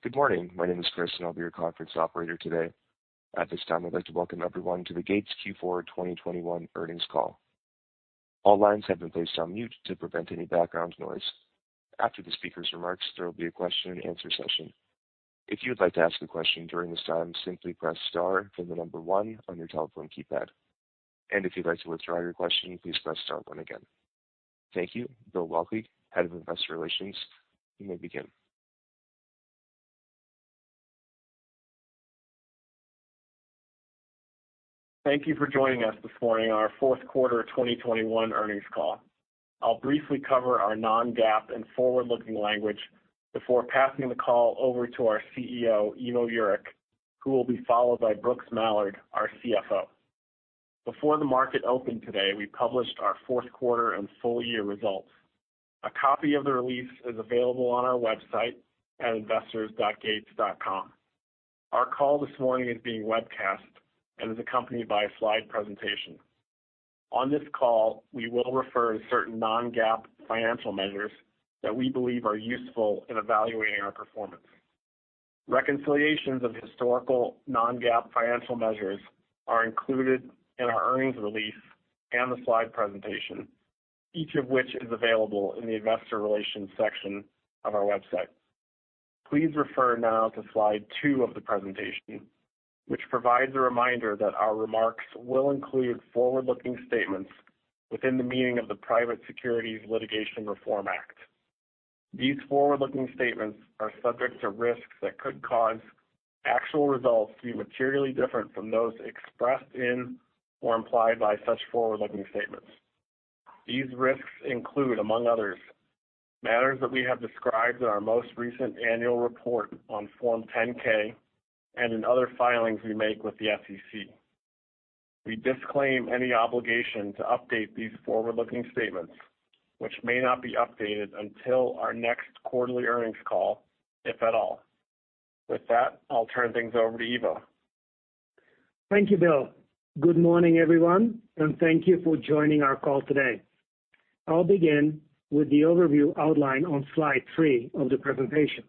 Good morning. My name is Chris, and I'll be your conference operator today. At this time, I'd like to welcome everyone to the Gates Q4 2021 earnings call. All lines have been placed on mute to prevent any background noise. After the speaker's remarks, there will be a question-and-answer session. If you'd like to ask a question during this time, simply press star then the number one on your telephone keypad. If you'd like to withdraw your question, please press star one again. Thank you. Bill Waelke, Head of Investor Relations, you may begin. Thank you for joining us this morning on our fourth quarter 2021 earnings call. I'll briefly cover our non-GAAP and forward-looking language before passing the call over to our CEO, Ivo Jurek, who will be followed by Brooks Mallard, our CFO. Before the market opened today, we published our fourth quarter and full year results. A copy of the release is available on our website at investors.gates.com. Our call this morning is being webcast and is accompanied by a slide presentation. On this call, we will refer to certain non-GAAP financial measures that we believe are useful in evaluating our performance. Reconciliations of historical non-GAAP financial measures are included in our earnings release and the slide presentation, each of which is available in the investor relations section of our website. Please refer now to slide two of the presentation, which provides a reminder that our remarks will include forward-looking statements within the meaning of the Private Securities Litigation Reform Act. These forward-looking statements are subject to risks that could cause actual results to be materially different from those expressed in or implied by such forward-looking statements. These risks include, among others, matters that we have described in our most recent annual report on Form 10-K and in other filings we make with the SEC. We disclaim any obligation to update these forward-looking statements, which may not be updated until our next quarterly earnings call, if at all. With that, I'll turn things over to Ivo. Thank you, Bill. Good morning, everyone, and thank you for joining our call today. I'll begin with the overview outlined on slide three of the presentation.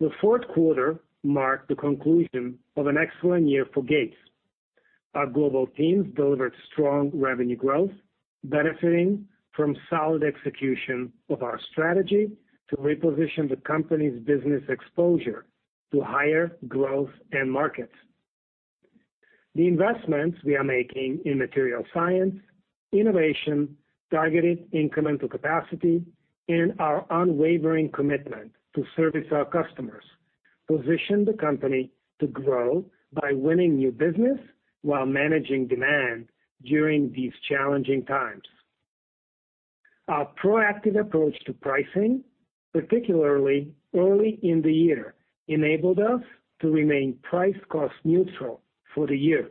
The fourth quarter marked the conclusion of an excellent year for Gates. Our global teams delivered strong revenue growth, benefiting from solid execution of our strategy to reposition the company's business exposure to higher growth end markets. The investments we are making in material science, innovation, targeted incremental capacity, and our unwavering commitment to service our customers position the company to grow by winning new business while managing demand during these challenging times. Our proactive approach to pricing, particularly early in the year, enabled us to remain price-cost neutral for the year.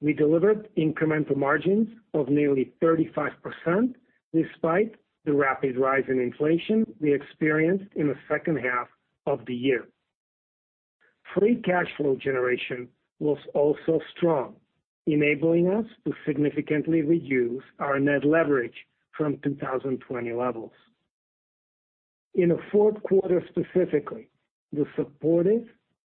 We delivered incremental margins of nearly 35% despite the rapid rise in inflation we experienced in the second half of the year. Free cash flow generation was also strong, enabling us to significantly reduce our net leverage from 2020 levels. In the fourth quarter specifically, the supportive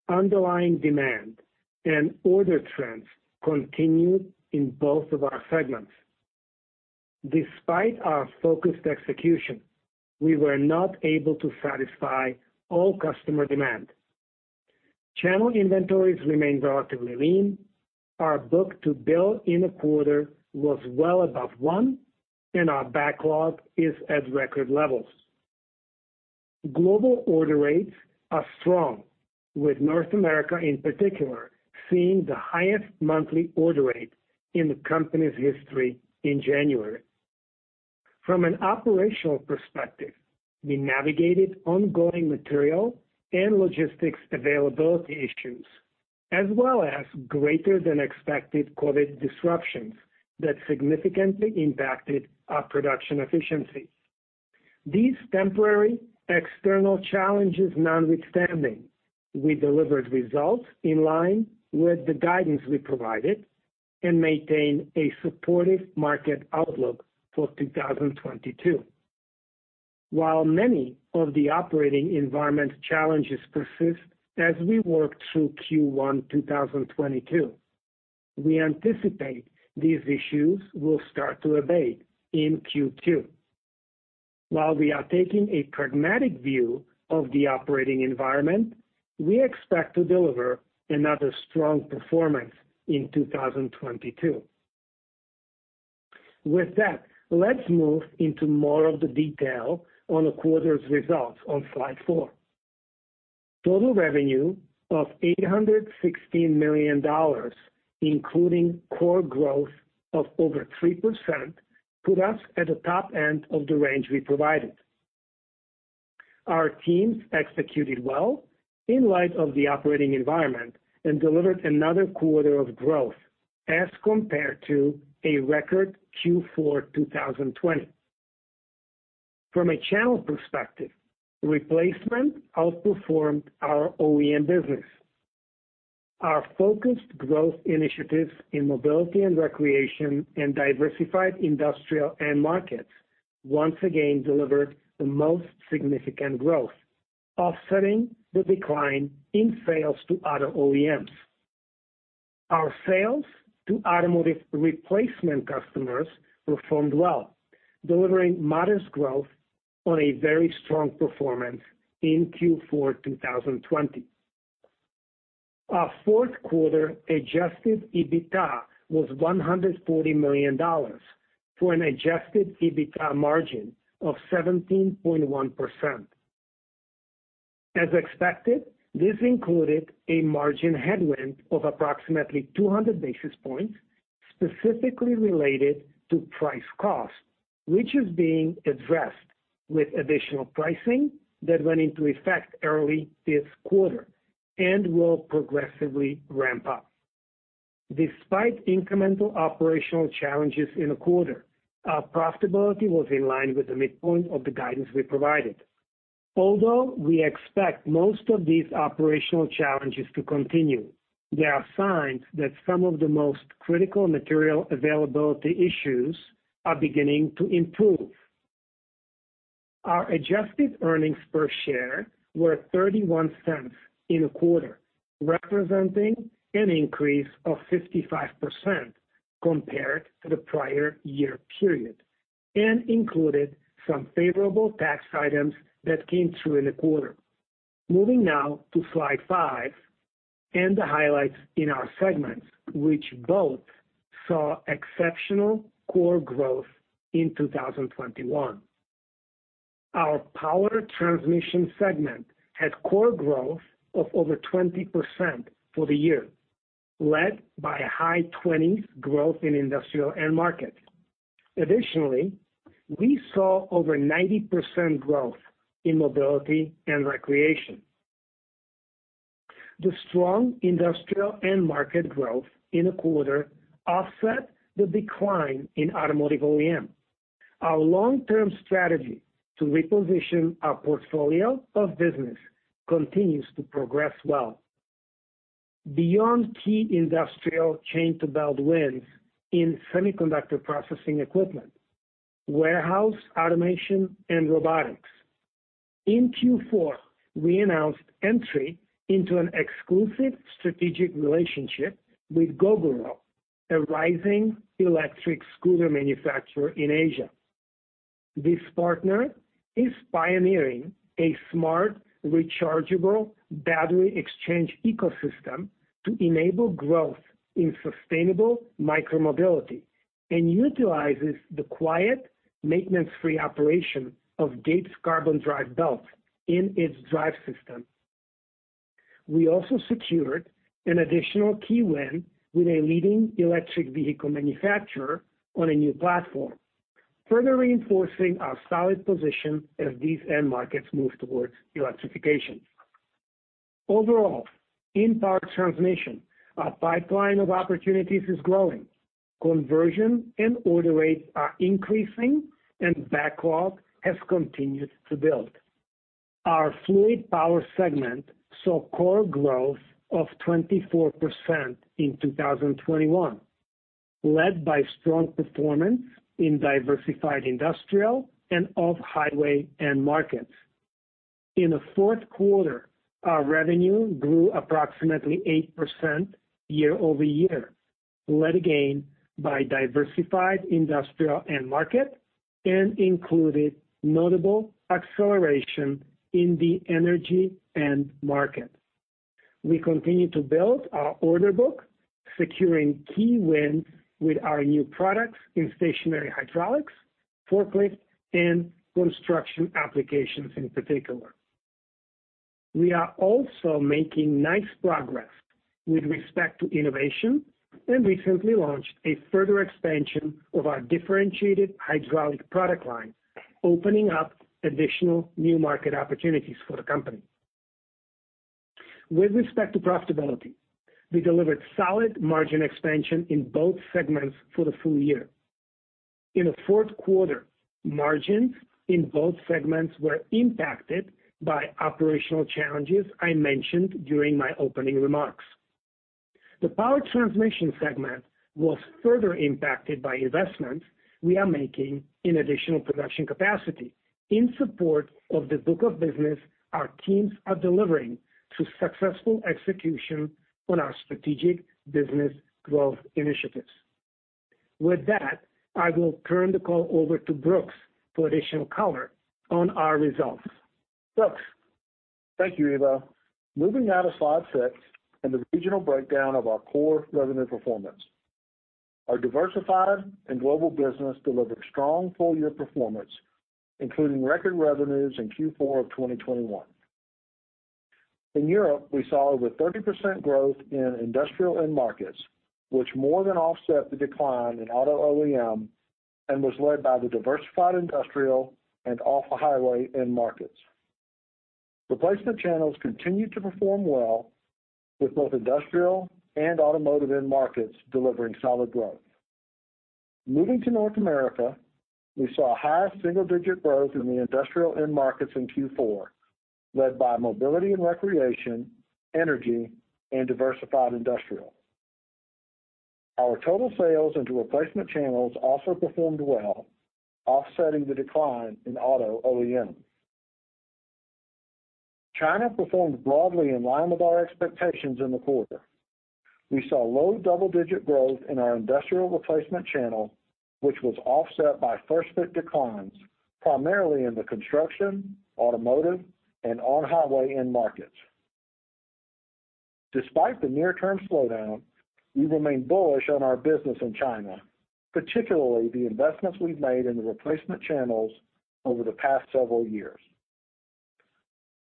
underlying demand and order trends continued in both of our segments. Despite our focused execution, we were not able to satisfy all customer demand. Channel inventories remained relatively lean. Our book-to-bill in the quarter was well above one, and our backlog is at record levels. Global order rates are strong, with North America in particular seeing the highest monthly order rate in the company's history in January. From an operational perspective, we navigated ongoing material and logistics availability issues as well as greater than expected COVID disruptions that significantly impacted our production efficiency. These temporary external challenges notwithstanding, we delivered results in line with the guidance we provided and maintain a supportive market outlook for 2022. While many of the operating environment challenges persist as we work through Q1 2022, we anticipate these issues will start to abate in Q2. While we are taking a pragmatic view of the operating environment, we expect to deliver another strong performance in 2022. With that, let's move into more of the detail on the quarter's results on slide four. Total revenue of $816 million, including core growth of over 3%, put us at the top end of the range we provided. Our teams executed well in light of the operating environment and delivered another quarter of growth as compared to a record Q4 2020. From a channel perspective, replacement outperformed our OEM business. Our focused growth initiatives in mobility and recreation and diversified industrial end markets once again delivered the most significant growth, offsetting the decline in sales to other OEMs. Our sales to automotive replacement customers performed well, delivering modest growth on a very strong performance in Q4 2020. Our fourth quarter adjusted EBITDA was $140 million for an adjusted EBITDA margin of 17.1%. As expected, this included a margin headwind of approximately 200 basis points, specifically related to price cost, which is being addressed with additional pricing that went into effect early this quarter and will progressively ramp up. Despite incremental operational challenges in the quarter, our profitability was in line with the midpoint of the guidance we provided. Although we expect most of these operational challenges to continue, there are signs that some of the most critical material availability issues are beginning to improve. Our adjusted earnings per share were $0.31 in the quarter, representing an increase of 55% compared to the prior year period and included some favorable tax items that came through in the quarter. Moving now to slide five and the highlights in our segments, which both saw exceptional core growth in 2021. Our Power Transmission segment had core growth of over 20% for the year, led by high 20s growth in industrial end market. Additionally, we saw over 90% growth in mobility and recreation. The strong industrial end market growth in the quarter offset the decline in automotive OEM. Our long-term strategy to reposition our portfolio of business continues to progress well. Beyond key industrial chain-to-belt wins in semiconductor processing equipment, warehouse automation and robotics. In Q4, we announced entry into an exclusive strategic relationship with Gogoro, a rising electric scooter manufacturer in Asia. This partner is pioneering a smart, rechargeable battery exchange ecosystem to enable growth in sustainable micro-mobility and utilizes the quiet, maintenance-free operation of Gates Carbon Drive belts in its drive system. We also secured an additional key win with a leading electric vehicle manufacturer on a new platform, further reinforcing our solid position as these end markets move towards electrification. Overall, in power transmission, our pipeline of opportunities is growing. Conversion and order rates are increasing and backlog has continued to build. Our fluid power segment saw core growth of 24% in 2021, led by strong performance in diversified industrial and off-highway end markets. In the fourth quarter, our revenue grew approximately 8% year-over-year, led again by diversified industrial end market and included notable acceleration in the energy end market. We continue to build our order book, securing key wins with our new products in stationary hydraulics, forklifts and construction applications in particular. We are also making nice progress with respect to innovation and recently launched a further expansion of our differentiated hydraulic product line, opening up additional new market opportunities for the company. With respect to profitability, we delivered solid margin expansion in both segments for the full year. In the fourth quarter, margins in both segments were impacted by operational challenges I mentioned during my opening remarks. The Power Transmission segment was further impacted by investments we are making in additional production capacity in support of the book of business our teams are delivering through successful execution on our strategic business growth initiatives. With that, I will turn the call over to Brooks for additional color on our results. Brooks. Thank you, Ivo. Moving now to slide six and the regional breakdown of our core revenue performance. Our diversified and global business delivered strong full-year performance, including record revenues in Q4 of 2021. In Europe, we saw over 30% growth in industrial end markets, which more than offset the decline in auto OEM and was led by the diversified industrial and off-highway end markets. Replacement channels continued to perform well with both industrial and automotive end markets delivering solid growth. Moving to North America, we saw high single-digit growth in the industrial end markets in Q4, led by mobility and recreation, energy, and diversified industrial. Our total sales into replacement channels also performed well, offsetting the decline in auto OEM. China performed broadly in line with our expectations in the quarter. We saw low double-digit growth in our industrial replacement channel, which was offset by first fit declines, primarily in the construction, automotive, and on-highway end markets. Despite the near-term slowdown, we remain bullish on our business in China, particularly the investments we've made in the replacement channels over the past several years.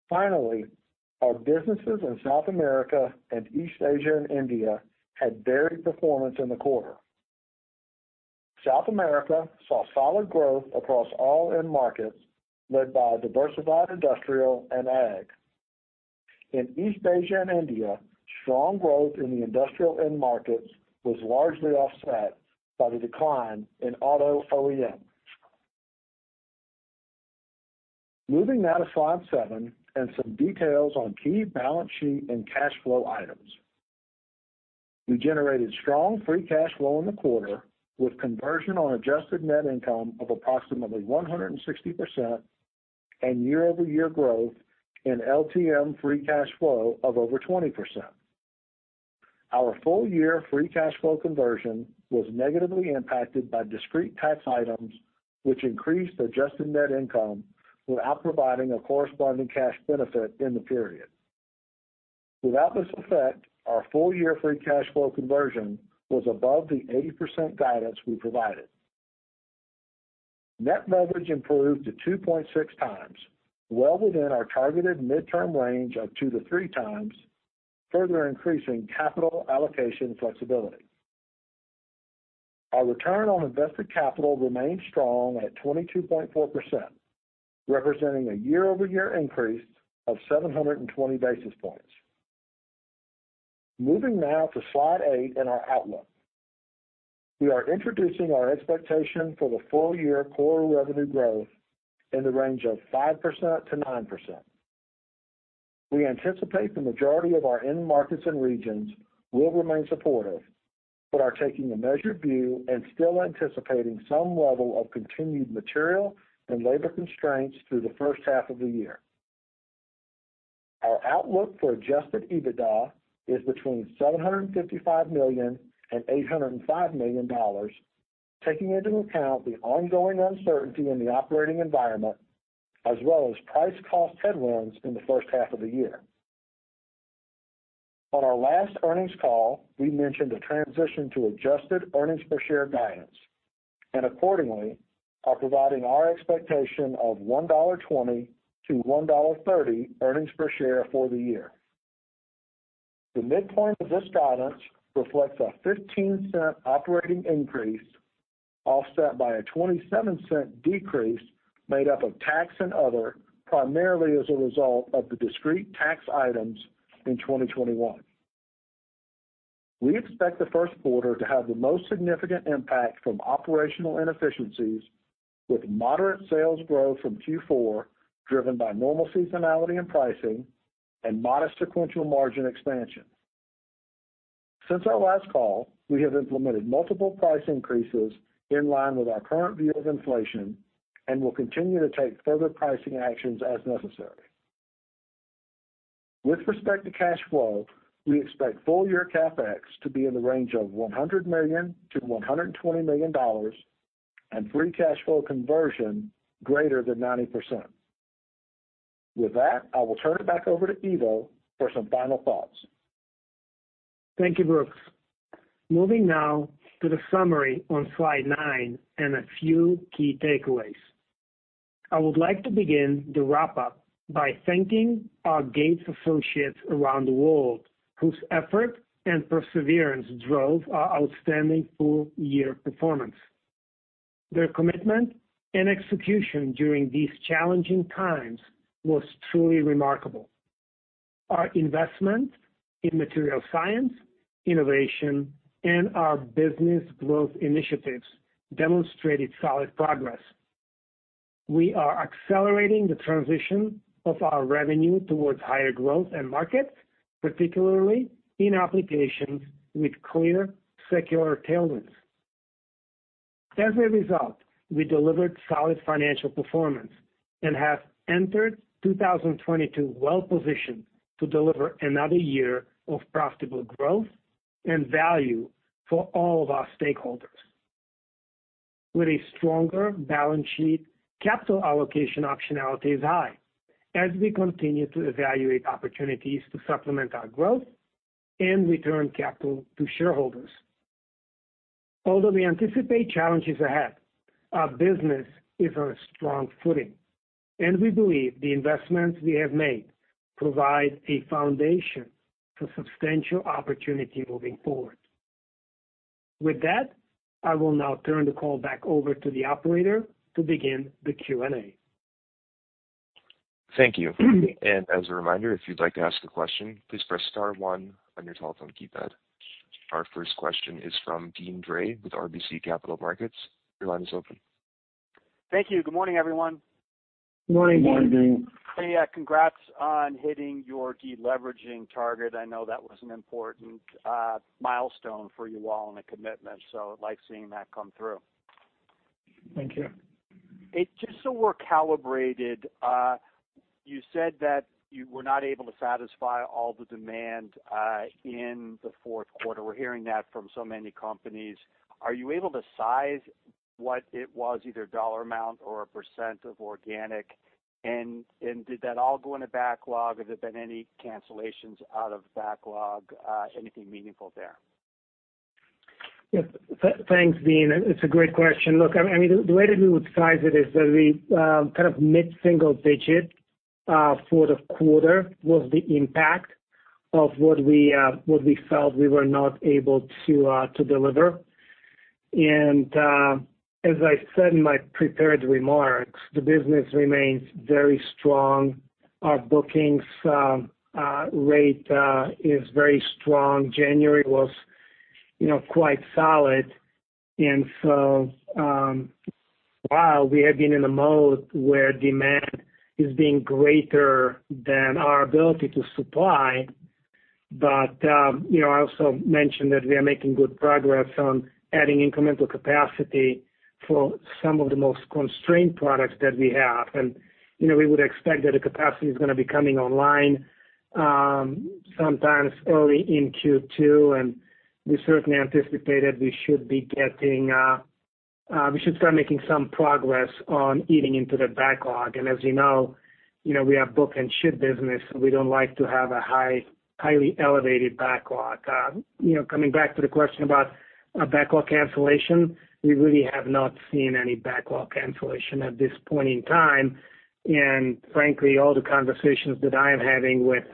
Finally, our businesses in South America and East Asia and India had varied performance in the quarter. South America saw solid growth across all end markets, led by diversified industrial and ag. In East Asia and India, strong growth in the industrial end markets was largely offset by the decline in auto OEM. Moving now to slide seven and some details on key balance sheet and cash flow items. We generated strong free cash flow in the quarter with conversion on adjusted net income of approximately 160% and year-over-year growth in LTM free cash flow of over 20%. Our full year free cash flow conversion was negatively impacted by discrete tax items, which increased adjusted net income without providing a corresponding cash benefit in the period. Without this effect, our full year free cash flow conversion was above the 80% guidance we provided. Net leverage improved to 2.6x, well within our targeted midterm range of 2x-3x, further increasing capital allocation flexibility. Our return on invested capital remained strong at 22.4%, representing a year-over-year increase of 720 basis points. Moving now to slide eight and our outlook. We are introducing our expectation for the full-year core revenue growth in the range of 5%-9%. We anticipate the majority of our end markets and regions will remain supportive, but are taking a measured view and still anticipating some level of continued material and labor constraints through the first half of the year. Our outlook for Adjusted EBITDA is between $755 million and $805 million, taking into account the ongoing uncertainty in the operating environment as well as price cost headwinds in the first half of the year. On our last earnings call, we mentioned a transition to adjusted earnings per share guidance and accordingly are providing our expectation of $1.20-$1.30 earnings per share for the year. The midpoint of this guidance reflects a $0.15 operating increase, offset by a $0.27 decrease made up of tax and other, primarily as a result of the discrete tax items in 2021. We expect the first quarter to have the most significant impact from operational inefficiencies with moderate sales growth from Q4, driven by normal seasonality and pricing and modest sequential margin expansion. Since our last call, we have implemented multiple price increases in line with our current view of inflation and will continue to take further pricing actions as necessary. With respect to cash flow, we expect full year CapEx to be in the range of $100 million-$120 million and free cash flow conversion greater than 90%. With that, I will turn it back over to Ivo for some final thoughts. Thank you, Brooks. Moving now to the summary on slide nine and a few key takeaways. I would like to begin the wrap-up by thanking our Gates associates around the world whose effort and perseverance drove our outstanding full-year performance. Their commitment and execution during these challenging times was truly remarkable. Our investment in material science, innovation, and our business growth initiatives demonstrated solid progress. We are accelerating the transition of our revenue towards higher growth end markets, particularly in applications with clear secular tailwinds. As a result, we delivered solid financial performance and have entered 2022 well-positioned to deliver another year of profitable growth and value for all of our stakeholders. With a stronger balance sheet, capital allocation optionality is high as we continue to evaluate opportunities to supplement our growth and return capital to shareholders. Although we anticipate challenges ahead, our business is on a strong footing, and we believe the investments we have made provide a foundation for substantial opportunity moving forward. With that, I will now turn the call back over to the operator to begin the Q&A. Thank you. As a reminder, if you'd like to ask a question, please press star one on your telephone keypad. Our first question is from Deane Dray with RBC Capital Markets. Your line is open. Thank you. Good morning, everyone. Morning. Morning. Hey, congrats on hitting your de-leveraging target. I know that was an important milestone for you all and a commitment, so like seeing that come through. Thank you. Just so we're calibrated, you said that you were not able to satisfy all the demand in the fourth quarter. We're hearing that from so many companies. Are you able to size what it was, either dollar amount or a percent of organic? Did that all go into backlog? Has there been any cancellations out of backlog, anything meaningful there? Yes. Thanks, Deane. It's a great question. Look, I mean, the way that we would size it is that we kind of mid-single-digit percent for the quarter was the impact of what we felt we were not able to deliver. As I said in my prepared remarks, the business remains very strong. Our bookings rate is very strong. January was, you know, quite solid. While we have been in a mode where demand is being greater than our ability to supply, I also mentioned that we are making good progress on adding incremental capacity for some of the most constrained products that we have. You know, we would expect that the capacity is gonna be coming online sometimes early in Q2, and we certainly anticipate that we should start making some progress on eating into the backlog. As you know, you know, we have book and ship business, so we don't like to have a highly elevated backlog. You know, coming back to the question about a backlog cancellation, we really have not seen any backlog cancellation at this point in time. Frankly, all the conversations that I am having with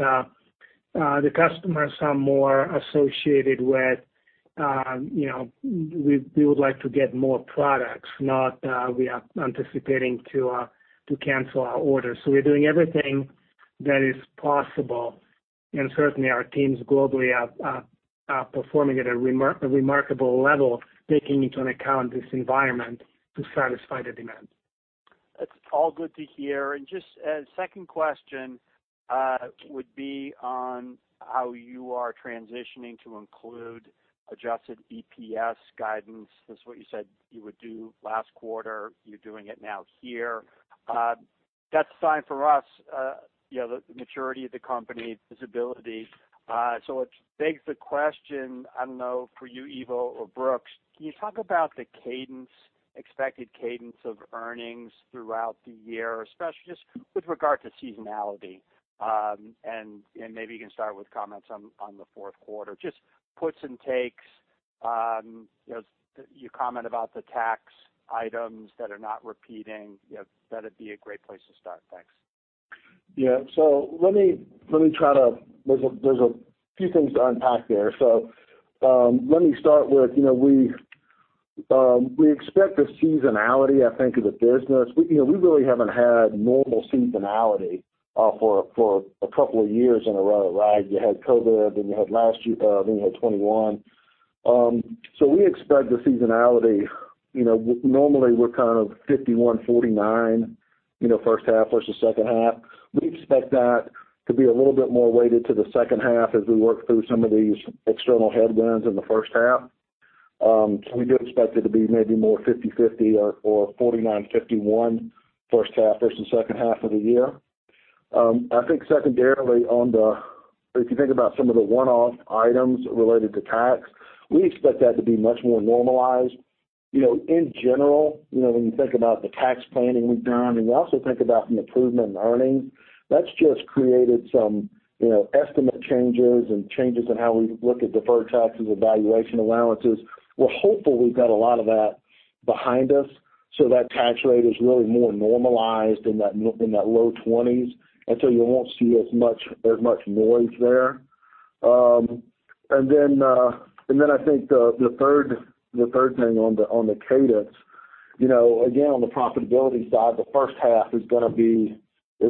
the customers are more associated with, you know, we would like to get more products, not we are anticipating to cancel our orders. We're doing everything that is possible, and certainly our teams globally are performing at a remarkable level, taking into account this environment to satisfy the demand. That's all good to hear. Just a second question would be on how you are transitioning to include adjusted EPS guidance. This is what you said you would do last quarter. You're doing it now here. That's fine for us, you know, the maturity of the company visibility. It begs the question, I don't know, for you, Ivo or Brooks, can you talk about the cadence, expected cadence of earnings throughout the year, especially just with regard to seasonality? Maybe you can start with comments on the fourth quarter. Just puts and takes. You know, you comment about the tax items that are not repeating. You know, that'd be a great place to start. Thanks. Yeah. Let me try to unpack a few things there. Let me start with you know we expect the seasonality I think of the business. You know we really haven't had normal seasonality for a couple of years in a row right? You had COVID and you had last year then you had 2021. We expect the seasonality. You know normally we're kind of 51/49 you know first half versus second half. We expect that to be a little bit more weighted to the second half as we work through some of these external headwinds in the first half. We do expect it to be maybe more 50/50 or 49/51 first half versus second half of the year. I think secondarily, on the, if you think about some of the one-off items related to tax, we expect that to be much more normalized. You know, in general, you know, when you think about the tax planning we've done, and you also think about an improvement in earnings, that's just created some, you know, estimate changes and changes in how we look at deferred taxes and valuation allowances. We're hopeful we've got a lot of that behind us so that tax rate is really more normalized in that low 20s, and so you won't see as much noise there. Then I think the third thing on the cadence, you know, again, on the profitability side, the first half is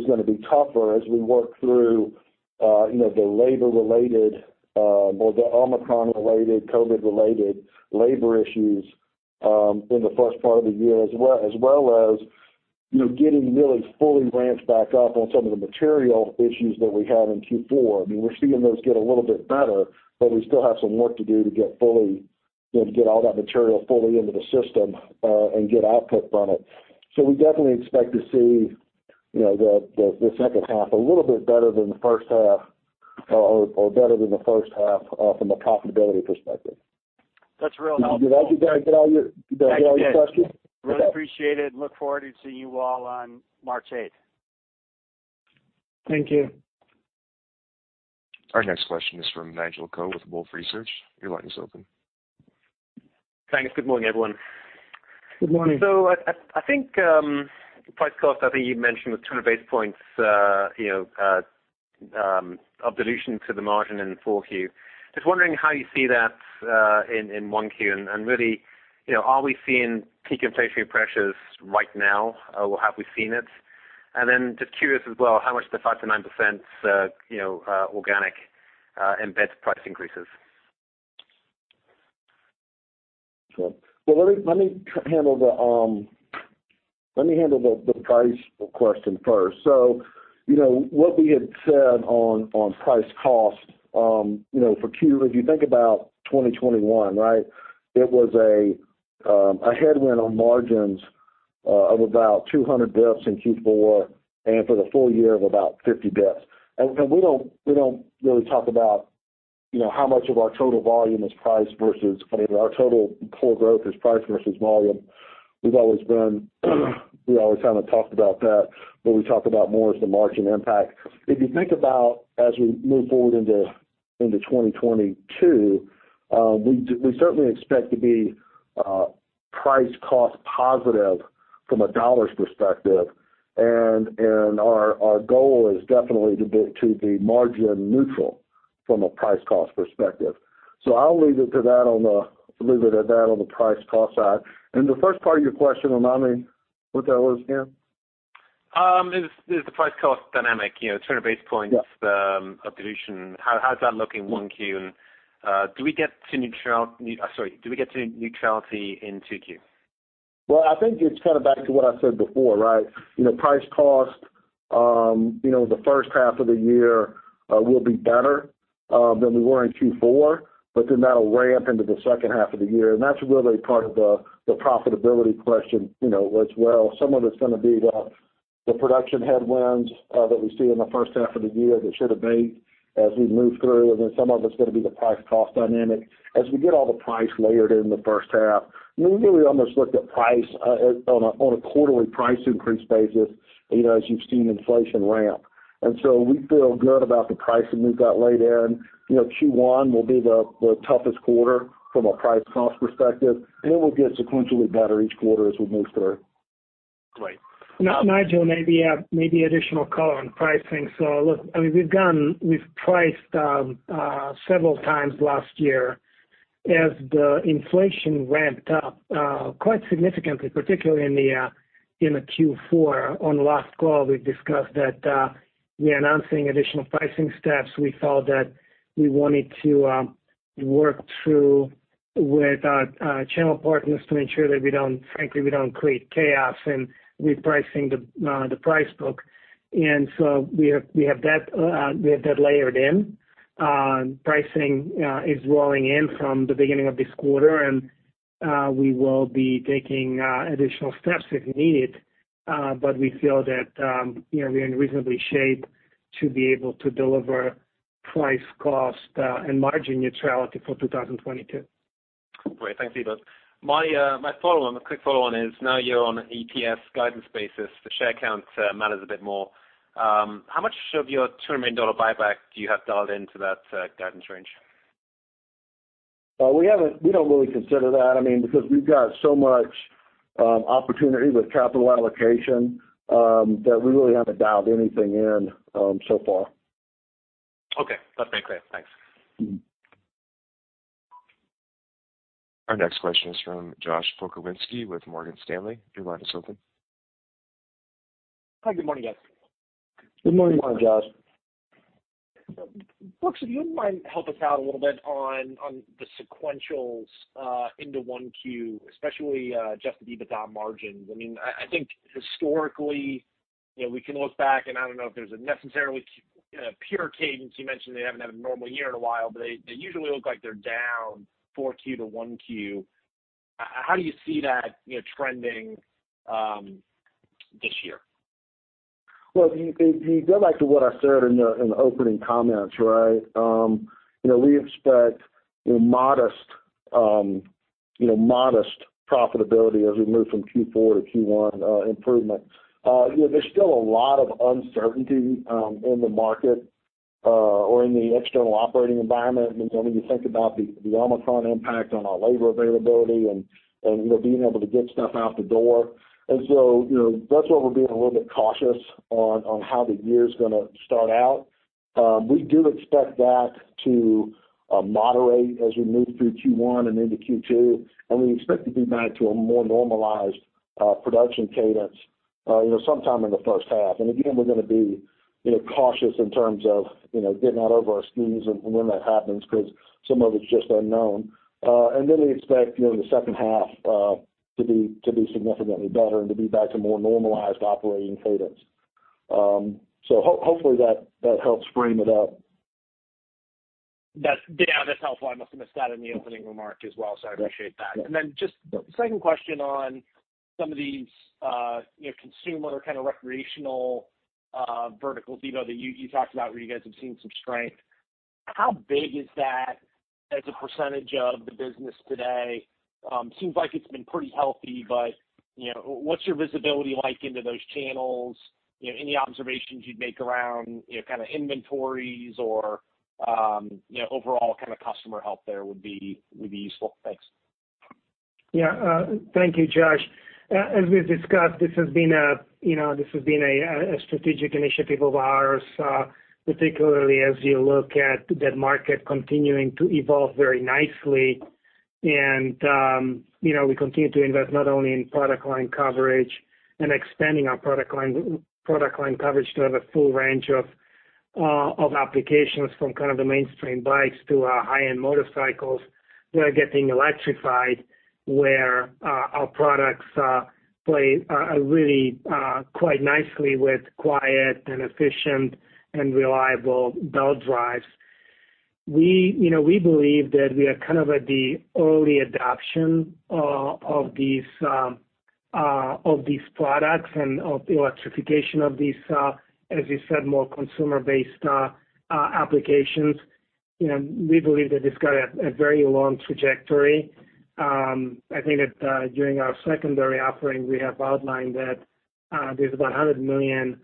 gonna be tougher as we work through, you know, the labor related or the Omicron related, COVID related labor issues in the first part of the year. As well as, you know, getting really fully ramped back up on some of the material issues that we had in Q4. I mean, we're seeing those get a little bit better, but we still have some work to do to get fully, you know, to get all that material fully into the system and get output from it. We definitely expect to see, you know, the second half a little bit better than the first half or better than the first half from a profitability perspective. That's real helpful. Did that get all your questions? Thanks. Yeah. Really appreciate it, and look forward to seeing you all on March 8th. Thank you. Our next question is from Nigel Coe with Wolfe Research. Your line is open. Thanks. Good morning, everyone. Good morning. I think price cost, I think you mentioned the 200 basis points of dilution to the margin in 4Q. Just wondering how you see that in 1Q, and really, you know, are we seeing peak inflationary pressures right now, or have we seen it? Just curious as well, how much the 5%-9% organic embeds price increases? Sure. Well, let me handle the price question first. So, you know, what we had said on price cost, you know. If you think about 2021, right? It was a headwind on margins of about 200 basis points in Q4, and for the full year of about 50 basis points. We don't really talk about, you know, how much of our total volume is priced versus, I mean, our total core growth is priced versus volume. We always kind of talked about that, but we talk about more as the margin impact. If you think about as we move forward into 2022, we certainly expect to be price cost positive from a dollars perspective. Our goal is definitely to be margin neutral from a price cost perspective. I'll leave it at that on the price cost side. The first part of your question, remind me what that was again. Is the price cost dynamic, you know, 200 basis points- Yeah. Of dilution, how's that look in 1Q? Sorry, do we get to neutrality in 2Q? Well, I think it's kind of back to what I said before, right? You know, price cost, you know, the first half of the year will be better than we were in Q4, but then that'll ramp into the second half of the year. That's really part of the profitability question, you know, as well. Some of it's gonna be the production headwinds that we see in the first half of the year that should abate as we move through. Some of it's gonna be the price cost dynamic. As we get all the price layered in the first half, we really almost look at price on a quarterly price increase basis, you know, as you've seen inflation ramp. We feel good about the pricing we've got laid in. You know, Q1 will be the toughest quarter from a price cost perspective, and it will get sequentially better each quarter as we move through. Great. Nigel, maybe add additional color on pricing. Look, I mean, we've priced several times last year as the inflation ramped up quite significantly, particularly in the Q4. On last call, we discussed that we are announcing additional pricing steps. We felt that we wanted to work through with our channel partners to ensure that we don't, frankly, create chaos in repricing the price book. We have that layered in. Pricing is rolling in from the beginning of this quarter, and we will be taking additional steps if needed. We feel that, you know, we're in reasonable shape to be able to deliver price cost and margin neutrality for 2022. Great. Thanks, Ivo. My quick follow on is now, on an EPS guidance basis, the share count matters a bit more. How much of your $200 million buyback do you have dialed into that guidance range? We don't really consider that, I mean, because we've got so much opportunity with capital allocation, that we really haven't dialed anything in so far. Okay. That's very clear. Thanks. Mm-hmm. Our next question is from Josh Pokrzywinski with Morgan Stanley. Your line is open. Hi, good morning, guys. Good morning, Josh. Good morning. Brooks, if you don't mind, help us out a little bit on the sequentials into 1Q, especially adjusted EBITDA margins. I mean, I think historically, you know, we can look back, and I don't know if there's a necessarily pure cadence. You mentioned they haven't had a normal year in a while, but they usually look like they're down 4Q to 1Q. How do you see that, you know, trending this year? Well, if you go back to what I said in the opening comments, right? You know, we expect modest profitability as we move from Q4 to Q1, improvement. You know, there's still a lot of uncertainty in the market or in the external operating environment. I mean, when you think about the Omicron impact on our labor availability and you know, being able to get stuff out the door. You know, that's why we're being a little bit cautious on how the year's gonna start out. We do expect that to moderate as we move through Q1 and into Q2, and we expect to be back to a more normalized production cadence you know, sometime in the first half. Again, we're gonna be, you know, cautious in terms of, you know, getting out over our skis and when that happens, 'cause some of it's just unknown. We expect, you know, the second half to be significantly better and to be back to more normalized operating cadence. Hopefully, that helps frame it up. That's. Yeah, that's helpful. I must have missed that in the opening remark as well, so I appreciate that. Yeah. Just second question on some of these, you know, consumer kind of recreational verticals, Ivo, that you talked about where you guys have seen some strength. How big is that as a percentage of the business today? Seems like it's been pretty healthy, but, you know, what's your visibility like into those channels? You know, any observations you'd make around, you know, kind of inventories or, you know, overall kind of customer health there would be useful. Thanks. Yeah. Thank you, Josh. As we've discussed, this has been a strategic initiative of ours, particularly as you look at that market continuing to evolve very nicely. You know, we continue to invest not only in product line coverage and expanding our product line coverage to have a full range of applications from kind of the mainstream bikes to our high-end motorcycles that are getting electrified, where our products play really quite nicely with quiet and efficient and reliable belt drives. We, you know, we believe that we are kind of at the early adoption of these products and of the electrification of these, as you said, more consumer-based applications. You know, we believe that it's got a very long trajectory. I think that during our secondary offering, we have outlined that there's about 100 million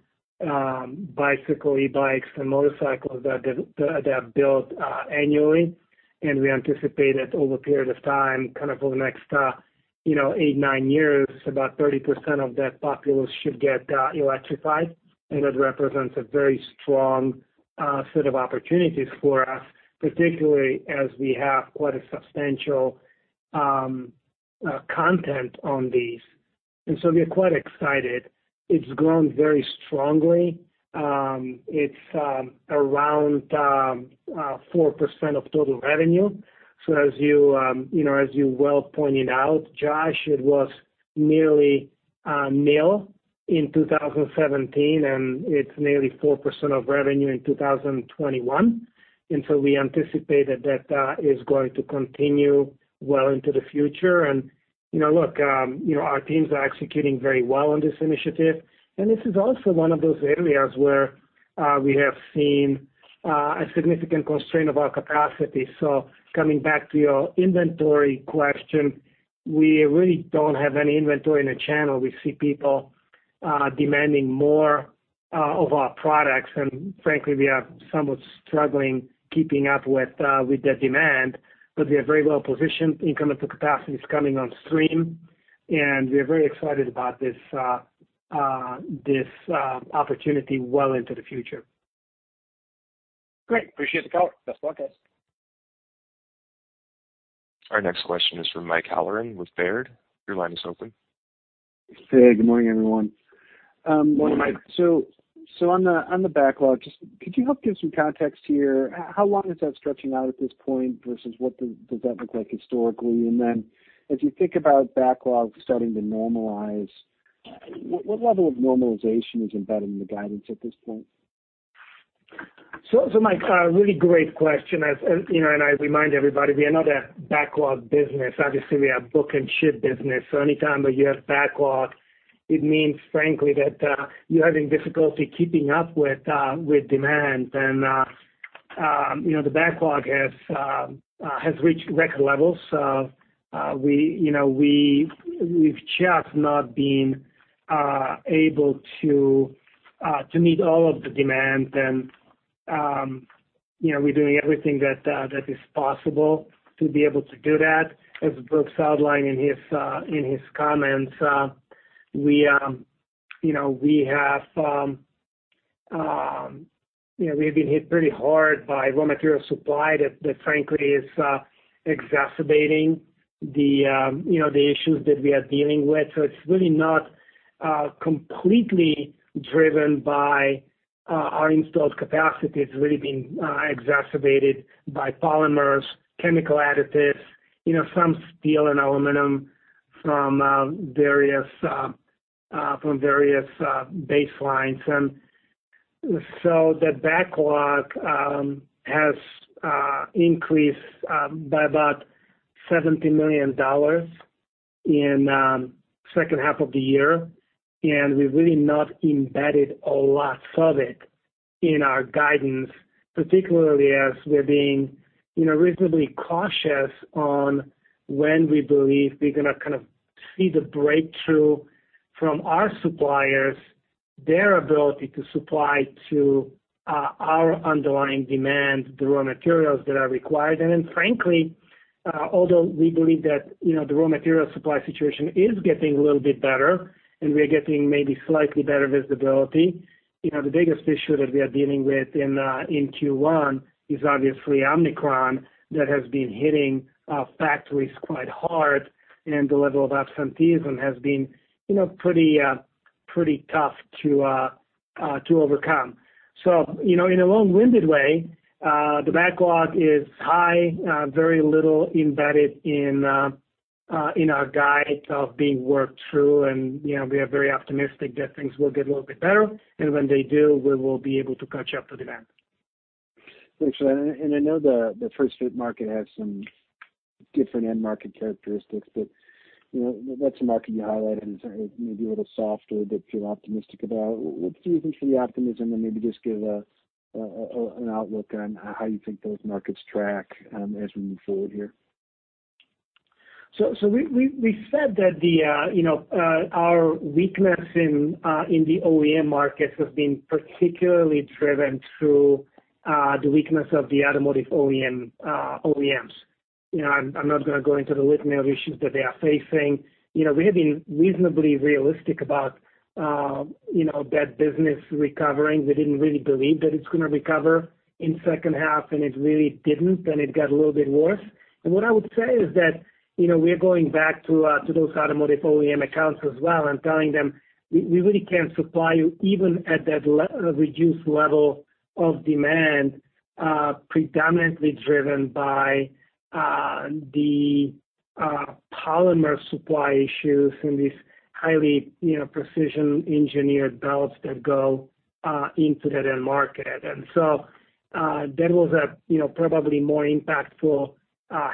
bicycle, e-bikes and motorcycles that are built annually. We anticipate that over a period of time, kind of over the next, you know, eight, nine years, about 30% of that populace should get electrified. That represents a very strong set of opportunities for us, particularly as we have quite a substantial content on these. We are quite excited. It's grown very strongly. It's around 4% of total revenue. As you know, as you well pointed out, Josh, it was nearly nil in 2017, and it's nearly 4% of revenue in 2021. We anticipate that is going to continue well into the future. You know, look, you know, our teams are executing very well on this initiative. This is also one of those areas where we have seen a significant constraint of our capacity. Coming back to your inventory question, we really don't have any inventory in the channel. We see people demanding more of our products. Frankly, we are somewhat struggling keeping up with the demand. We are very well positioned. Incremental capacity is coming on stream, and we're very excited about this opportunity well into the future. Great. Appreciate the color. Best of luck, guys. Our next question is from Mike Halloran with Baird. Your line is open. Hey, good morning, everyone. Good morning, Mike. On the backlog, just could you help give some context here? How long is that stretching out at this point versus what does that look like historically? As you think about backlog starting to normalize, what level of normalization is embedded in the guidance at this point? Mike, really great question. As you know, and I remind everybody, we are not a backlog business. Obviously, we are book and ship business. Anytime that you have backlog, it means, frankly, that you're having difficulty keeping up with demand. You know, the backlog has reached record levels. You know, we've just not been able to meet all of the demand. You know, we're doing everything that is possible to be able to do that. As Brooks outlined in his comments, you know, we've been hit pretty hard by raw material supply that frankly is exacerbating the issues that we are dealing with. It's really not completely driven by our installed capacity. It's really been exacerbated by polymers, chemical additives, you know, some steel and aluminum from various baselines. The backlog has increased by about $70 million in second half of the year. We've really not embedded a lot of it in our guidance, particularly as we're being, you know, reasonably cautious on when we believe we're gonna kind of see the breakthrough from our suppliers, their ability to supply to our underlying demand, the raw materials that are required. Frankly, although we believe that, you know, the raw material supply situation is getting a little bit better and we are getting maybe slightly better visibility, you know, the biggest issue that we are dealing with in Q1 is obviously Omicron that has been hitting factories quite hard, and the level of absenteeism has been, you know, pretty tough to overcome. In a long-winded way, you know, the backlog is high, very little embedded in our guide of being worked through. You know, we are very optimistic that things will get a little bit better. When they do, we will be able to catch up to demand. Thanks for that. I know the first fit market has some different end market characteristics, but, you know, that's a market you highlighted as, maybe a little softer, but you're optimistic about. What do you think is the optimism, and maybe just give an outlook on how you think those markets track as we move forward here? We said that you know our weakness in the OEM markets has been particularly driven through the weakness of the automotive OEMs. You know, I'm not gonna go into the litany of issues that they are facing. You know, we have been reasonably realistic about you know that business recovering. We didn't really believe that it's gonna recover in second half, and it really didn't, and it got a little bit worse. What I would say is that you know we are going back to those automotive OEM accounts as well and telling them we really can't supply you even at that reduced level of demand predominantly driven by the polymer supply issues in these highly you know precision engineered belts that go into that end market. that was, you know, probably more impactful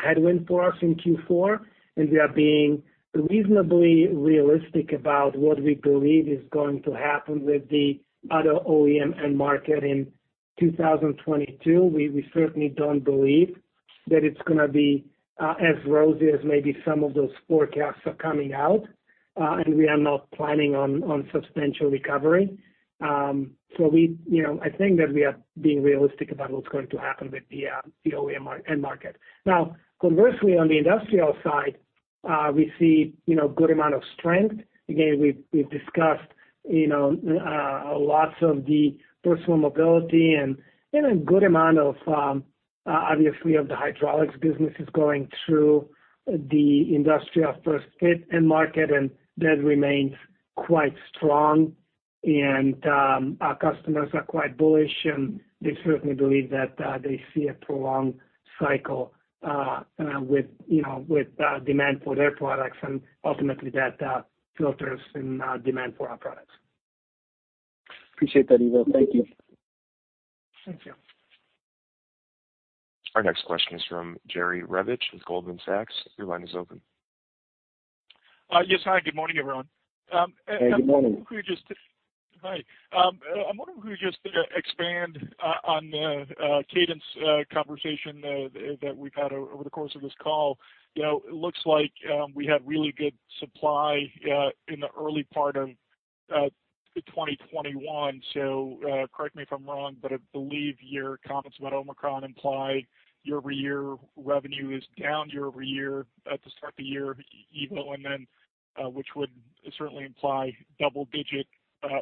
headwind for us in Q4, and we are being reasonably realistic about what we believe is going to happen with the other OEM end market in 2022. We certainly don't believe that it's gonna be as rosy as maybe some of those forecasts are coming out, and we are not planning on substantial recovery. You know, I think that we are being realistic about what's going to happen with the OEM end market. Now, conversely, on the industrial side, we see, you know, good amount of strength. Again, we've discussed, you know, lots of the personal mobility and a good amount of obviously of the hydraulics businesses going through the industrial first fit end market, and that remains quite strong. Our customers are quite bullish, and they certainly believe that they see a prolonged cycle with, you know, demand for their products and ultimately that filters in demand for our products. Appreciate that, Ivo. Thank you. Thank you. Our next question is from Jerry Revich with Goldman Sachs. Your line is open. Yes. Hi, good morning, everyone. Good morning. I wonder if you could just expand on cadence conversation that we've had over the course of this call. You know, it looks like we had really good supply in the early part of 2021. Correct me if I'm wrong, but I believe your comments about Omicron imply year-over-year revenue is down year-over-year at the start of the year, Ivo, and then which would certainly imply double-digit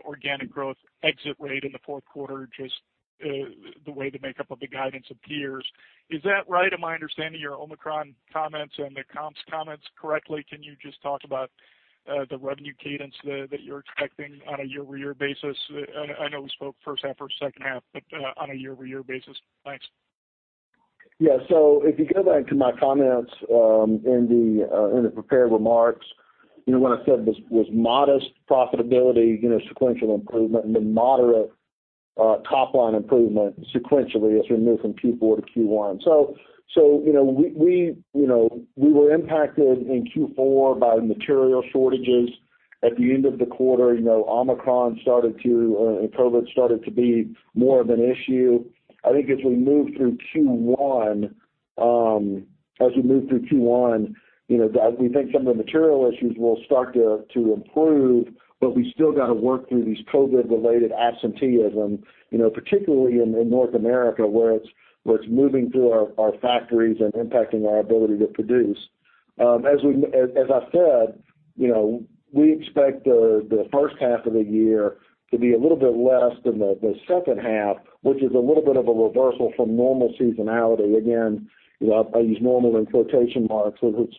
organic growth exit rate in the fourth quarter, just the way the makeup of the guidance appears. Is that right? Am I understanding your Omicron comments and the comps comments correctly? Can you just talk about the revenue cadence that you're expecting on a year-over-year basis? I know we spoke first half versus second half, but on a year over year basis. Thanks. Yeah. If you go back to my comments in the prepared remarks, you know, what I said was modest profitability, you know, sequential improvement and then moderate top-line improvement sequentially as we move from Q4 to Q1. We were impacted in Q4 by material shortages. At the end of the quarter, you know, Omicron started to be more of an issue. I think as we move through Q1, you know, that we think some of the material issues will start to improve, but we still gotta work through these COVID-related absenteeism, you know, particularly in North America, where it's moving through our factories and impacting our ability to produce. As I said, you know, we expect the first half of the year to be a little bit less than the second half, which is a little bit of a reversal from normal seasonality. Again, you know, I use normal in quotation marks, so it's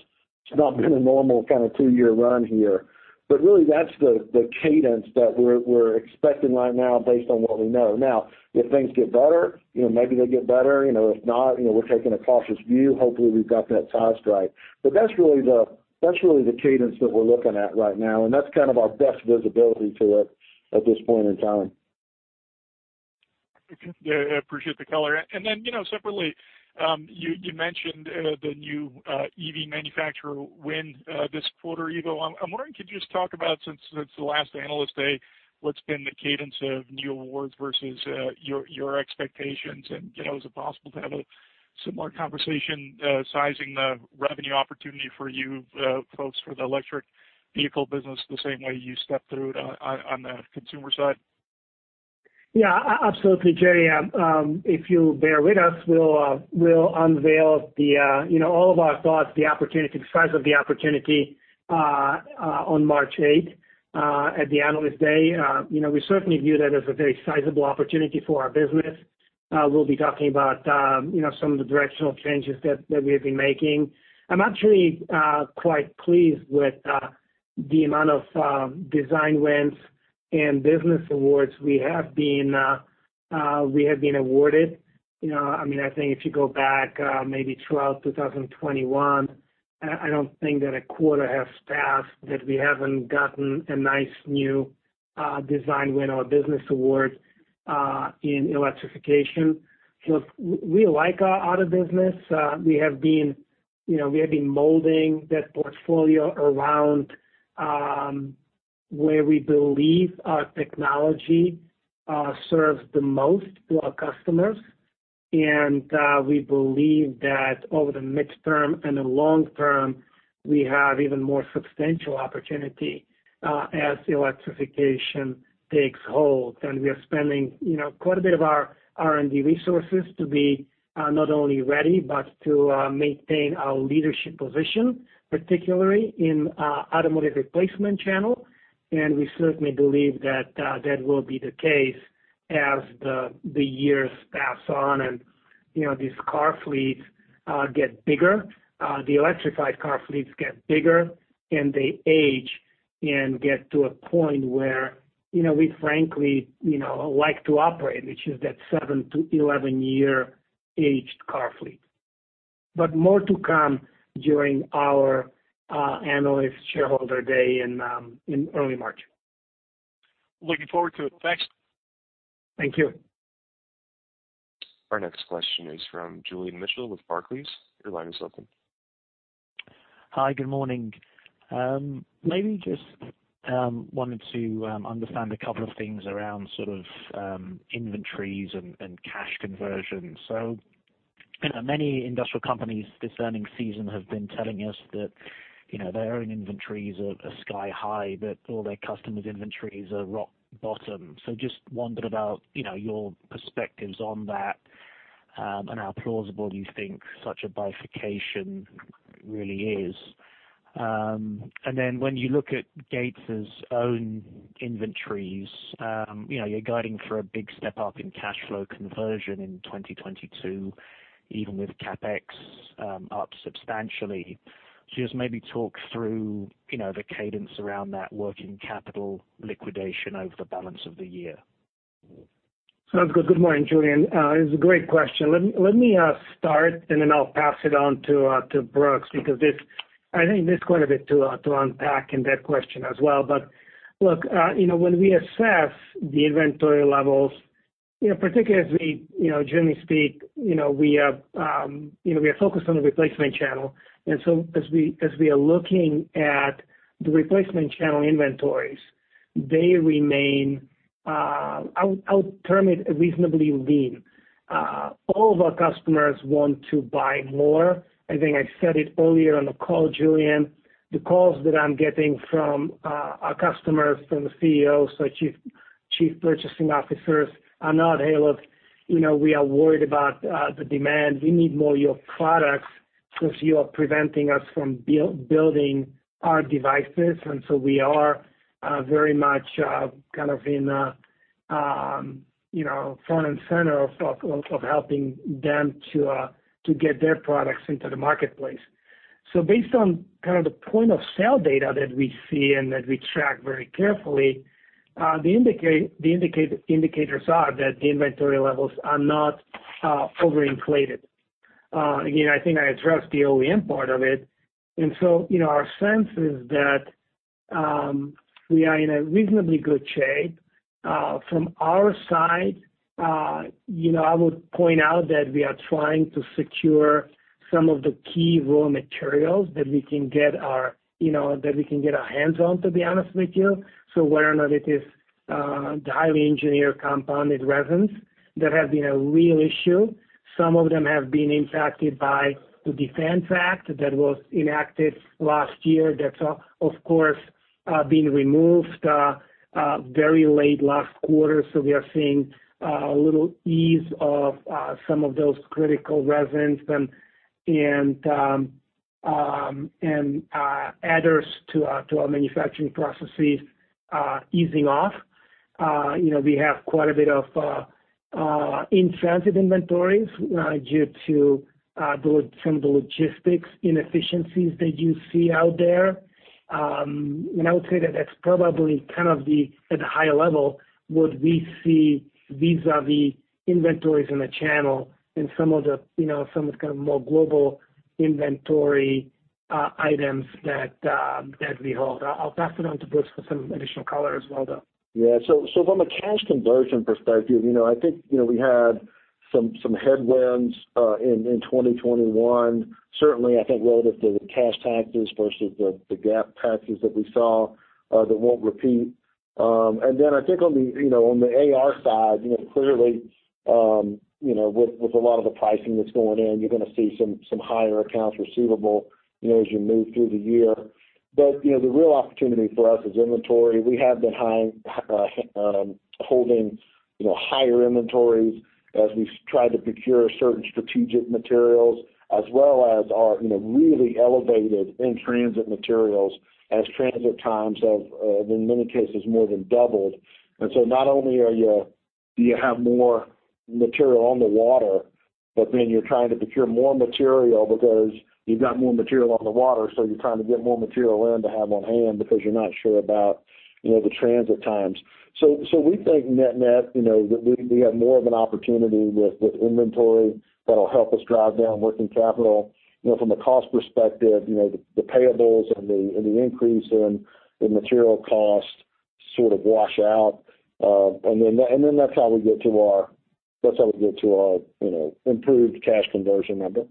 not been a normal kind of two-year run here. Really that's the cadence that we're expecting right now based on what we know. Now, if things get better, you know, maybe they'll get better. You know, if not, you know, we're taking a cautious view. Hopefully we've got that size right. That's really the cadence that we're looking at right now, and that's kind of our best visibility to it at this point in time. Yeah. I appreciate the color. You know, separately, you mentioned the new EV manufacturer win this quarter, Ivo. I'm wondering, could you just talk about, since it's the last Analyst Day, what's been the cadence of new awards versus your expectations? You know, is it possible to have a similar conversation sizing the revenue opportunity for you folks for the electric vehicle business the same way you stepped through it on the consumer side? Yeah. Absolutely, Jerry. If you bear with us, we'll unveil, you know, all of our thoughts, the opportunity, the size of the opportunity, on March 8th, at the Analyst Day. You know, we certainly view that as a very sizable opportunity for our business. We'll be talking about, you know, some of the directional changes that we have been making. I'm actually quite pleased with the amount of design wins and business awards we have been awarded. You know, I mean, I think if you go back, maybe throughout 2021, I don't think that a quarter has passed that we haven't gotten a nice new design win or business award in electrification. We like our auto business. We have been, you know, molding that portfolio around where we believe our technology serves the most to our customers. We believe that over the midterm and the long term we have even more substantial opportunity as electrification takes hold, and we are spending, you know, quite a bit of our R&D resources to be not only ready, but to maintain our leadership position, particularly in automotive replacement channel. We certainly believe that that will be the case as the years pass on and, you know, these car fleets get bigger, the electrified car fleets get bigger, and they age and get to a point where, you know, we frankly, you know, like to operate, which is that seven- to 11-year aged car fleet. More to come during our Analyst Day in early March. Looking forward to it. Thanks. Thank you. Our next question is from Julian Mitchell with Barclays. Your line is open. Hi. Good morning. Maybe just wanted to understand a couple of things around sort of inventories and cash conversion. I know many industrial companies this earnings season have been telling us that, you know, their own inventories are sky high, but all their customers' inventories are rock bottom. Just wondered about, you know, your perspectives on that and how plausible you think such a bifurcation really is. When you look at Gates' own inventories, you know, you're guiding for a big step-up in cash flow conversion in 2022, even with CapEx up substantially. Just maybe talk through, you know, the cadence around that working capital liquidation over the balance of the year. Sounds good. Good morning, Julian. It's a great question. Let me start, and then I'll pass it on to Brooks, because this—I think there's quite a bit to unpack in that question as well. Look, you know, when we assess the inventory levels, you know, particularly as we, you know, generally speak, you know, we have, you know, we are focused on the replacement channel. As we are looking at the replacement channel inventories, they remain, I'll term it reasonably lean. All of our customers want to buy more. I think I said it earlier on the call, Julian. The calls that I'm getting from our customers, from the CEOs to chief purchasing officers are now, "Hey, look, you know, we are worried about the demand. We need more of your products since you are preventing us from building our devices." We are very much kind of in, you know, front and center of helping them to get their products into the marketplace. Based on kind of the point of sale data that we see and that we track very carefully, the indicators are that the inventory levels are not overinflated. You know, I think I addressed the OEM part of it. You know, our sense is that we are in a reasonably good shape. From our side, you know, I would point out that we are trying to secure some of the key raw materials that we can get our hands on, to be honest with you. Whether or not it is the highly engineered compounded resins that have been a real issue, some of them have been impacted by the Defense Production Act that was enacted last year. That's, of course, been removed very late last quarter. We are seeing a little ease of some of those critical resins and additives to our manufacturing processes easing off. You know, we have quite a bit of in-transit inventories due to some of the logistics inefficiencies that you see out there. I would say that that's probably kind of the, at the higher level, what we see vis-à-vis inventories in the channel and some of the, you know, some of the kind of more global inventory, items that we hold. I'll pass it on to Brooks for some additional color as well, though. Yeah. From a cash conversion perspective, you know, I think, you know, we had some headwinds in 2021. Certainly, I think relative to the cash taxes versus the GAAP taxes that we saw, that won't repeat. I think on the AR side, you know, clearly, you know, with a lot of the pricing that's going in, you're gonna see some higher accounts receivable, you know, as you move through the year. The real opportunity for us is inventory. We have been holding higher inventories as we've tried to procure certain strategic materials as well as our really elevated in-transit materials as transit times have, in many cases, more than doubled. Not only do you have more material on the water, but then you're trying to procure more material because you've got more material on the water, so you're trying to get more material in to have on hand because you're not sure about, you know, the transit times. So we think net-net, you know, that we have more of an opportunity with inventory that'll help us drive down working capital. You know, from a cost perspective, you know, the payables and the increase in the material costs sort of wash out. Then that's how we get to our, you know, improved cash conversion number.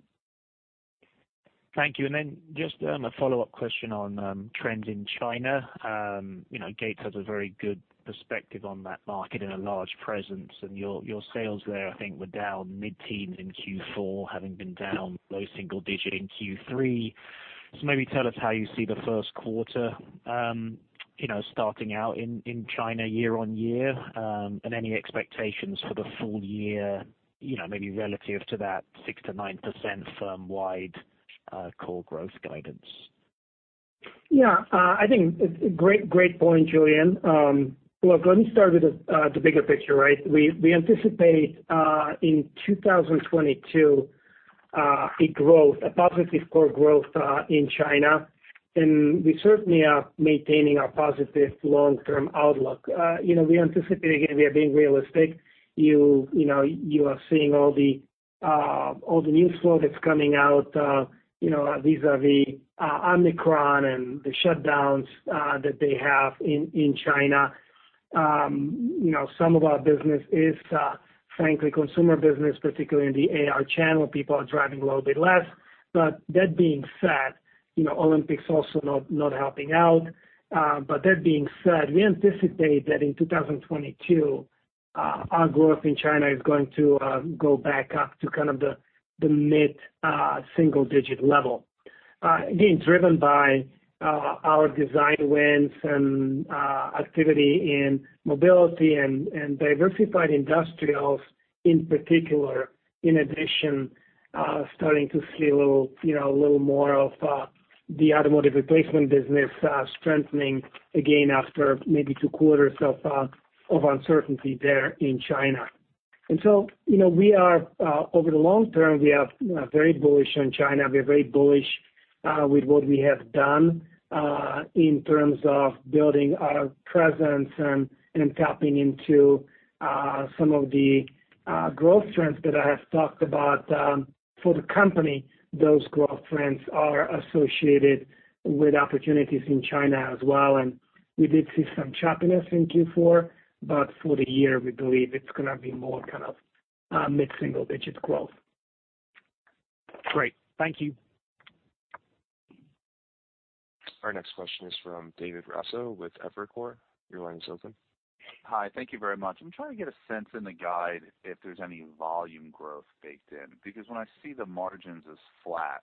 Thank you. Just a follow-up question on trends in China. You know, Gates has a very good perspective on that market and a large presence, and your sales there, I think, were down mid-teens in Q4, having been down low single digits in Q3. Maybe tell us how you see the first quarter, you know, starting out in China year-over-year, and any expectations for the full year, you know, maybe relative to that 6%-9% firm-wide core growth guidance. Yeah. I think it's a great point, Julian. Look, let me start with the bigger picture, right? We anticipate in 2022 a growth, a positive core growth in China, and we certainly are maintaining our positive long-term outlook. You know, we anticipate, again, we are being realistic. You know, you are seeing all the news flow that's coming out, you know, vis-à-vis Omicron and the shutdowns that they have in China. You know, some of our business is frankly consumer business, particularly in the AR channel. People are driving a little bit less. But that being said, you know, Olympics also not helping out. That being said, we anticipate that in 2022, our growth in China is going to go back up to kind of the mid single-digit level. Again, driven by our design wins and activity in mobility and diversified industrials in particular. In addition, starting to see a little, you know, a little more of the automotive replacement business strengthening again after maybe two quarters of uncertainty there in China. You know, we are over the long term, we are very bullish on China. We are very bullish with what we have done in terms of building our presence and tapping into some of the growth trends that I have talked about for the company. Those growth trends are associated with opportunities in China as well, and we did see some choppiness in Q4, but for the year we believe it's gonna be more kind of mid-single-digit growth. Great. Thank you. Our next question is from David Raso with Evercore. Your line is open. Hi. Thank you very much. I'm trying to get a sense in the guide if there's any volume growth baked in, because when I see the margins as flat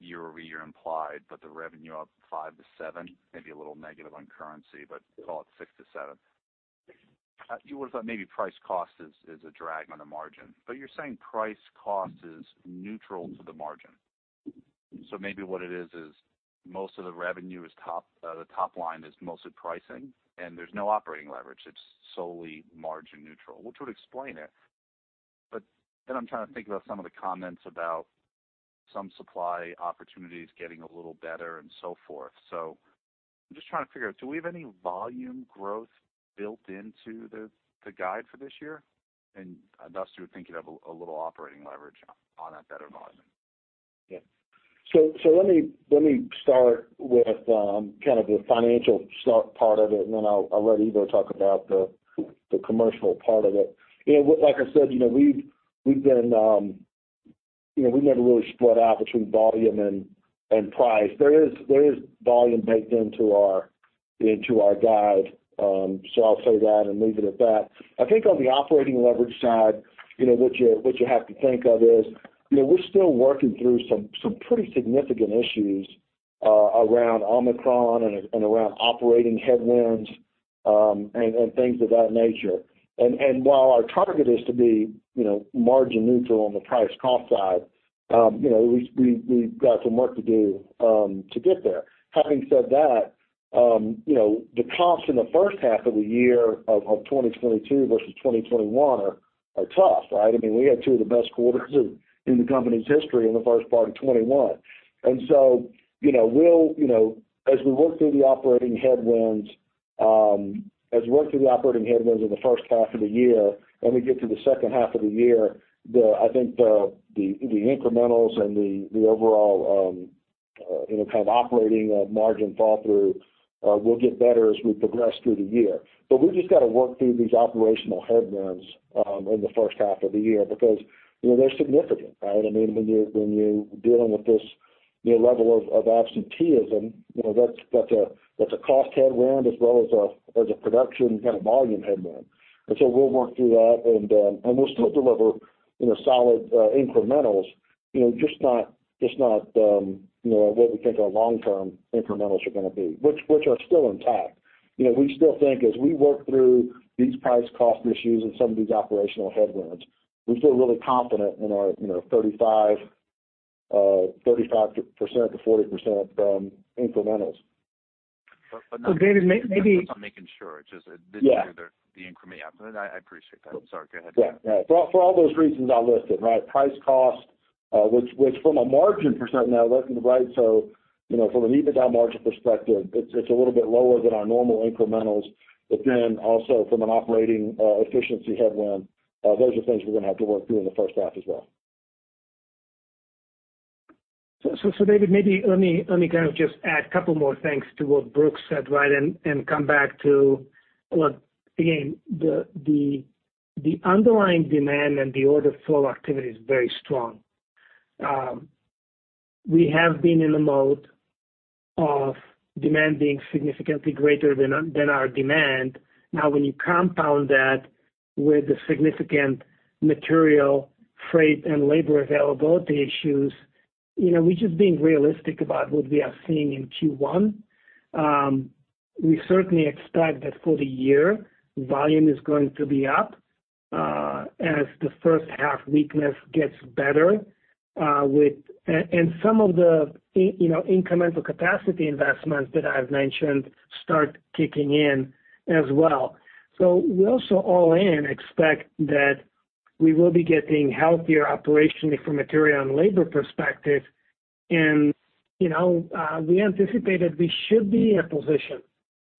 year-over-year implied, but the revenue up 5%-7%, maybe a little negative on currency, but call it 6%-7%. You would've thought maybe price cost is a drag on the margin. You're saying price cost is neutral to the margin. Maybe what it is is most of the revenue, the top line, is mostly pricing and there's no operating leverage. It's solely margin neutral, which would explain it. Then I'm trying to think about some of the comments about some supply opportunities getting a little better and so forth. I'm just trying to figure out, do we have any volume growth built into the guide for this year? You would think you'd have a little operating leverage on that better margin. Yeah. Let me start with kind of the financial side part of it and then I'll let Ivo talk about the commercial part of it. You know, like I said, you know, we've been, you know, we never really split out between volume and price. There is volume baked into our guide. I'll say that and leave it at that. I think on the operating leverage side, you know, what you have to think of is, you know, we're still working through some pretty significant issues around Omicron and around operating headwinds, and things of that nature. While our target is to be, you know, margin neutral on the price cost side, you know, we've got some work to do to get there. Having said that, you know, the costs in the first half of the year of 2022 versus 2021 are tough, right? I mean, we had two of the best quarters in the company's history in the first part of 2021. We'll, you know, as we work through the operating headwinds in the first half of the year and we get to the second half of the year, I think the incrementals and the overall, you know, kind of operating margin fall through will get better as we progress through the year. We've just gotta work through these operational headwinds in the first half of the year because, you know, they're significant, right? I mean, when you're dealing with this, you know, level of absenteeism, you know, that's a cost headwind as well as a production kind of volume headwind. We'll work through that and we'll still deliver, you know, solid incrementals, you know, just not what we think our long term incrementals are gonna be, which are still intact. You know, we still think as we work through these price cost issues and some of these operational headwinds, we feel really confident in our, you know, 35%-40% from incrementals. David maybe I'm making sure. Just, did you hear? Yeah. The increment. Yeah. No, no, I appreciate that. Sorry, go ahead. Yeah. For all those reasons I listed, right? Price cost, which from a margin percent now looking right, so, you know, from an EBITDA margin perspective, it's a little bit lower than our normal incrementals. Also from an operating efficiency headwind, those are things we're gonna have to work through in the first half as well. David, maybe let me kind of just add a couple more things to what Brooks said, right? Come back to what, again, the underlying demand and the order flow activity is very strong. We have been in a mode of demanding significantly greater than our demand. Now, when you compound that with the significant material freight and labor availability issues, you know, we're just being realistic about what we are seeing in Q1. We certainly expect that for the year, volume is going to be up, as the first half weakness gets better, with and some of the, you know, incremental capacity investments that I've mentioned start kicking in as well. We also all in expect that we will be getting healthier operationally from material and labor perspective. You know, we anticipate that we should be in a position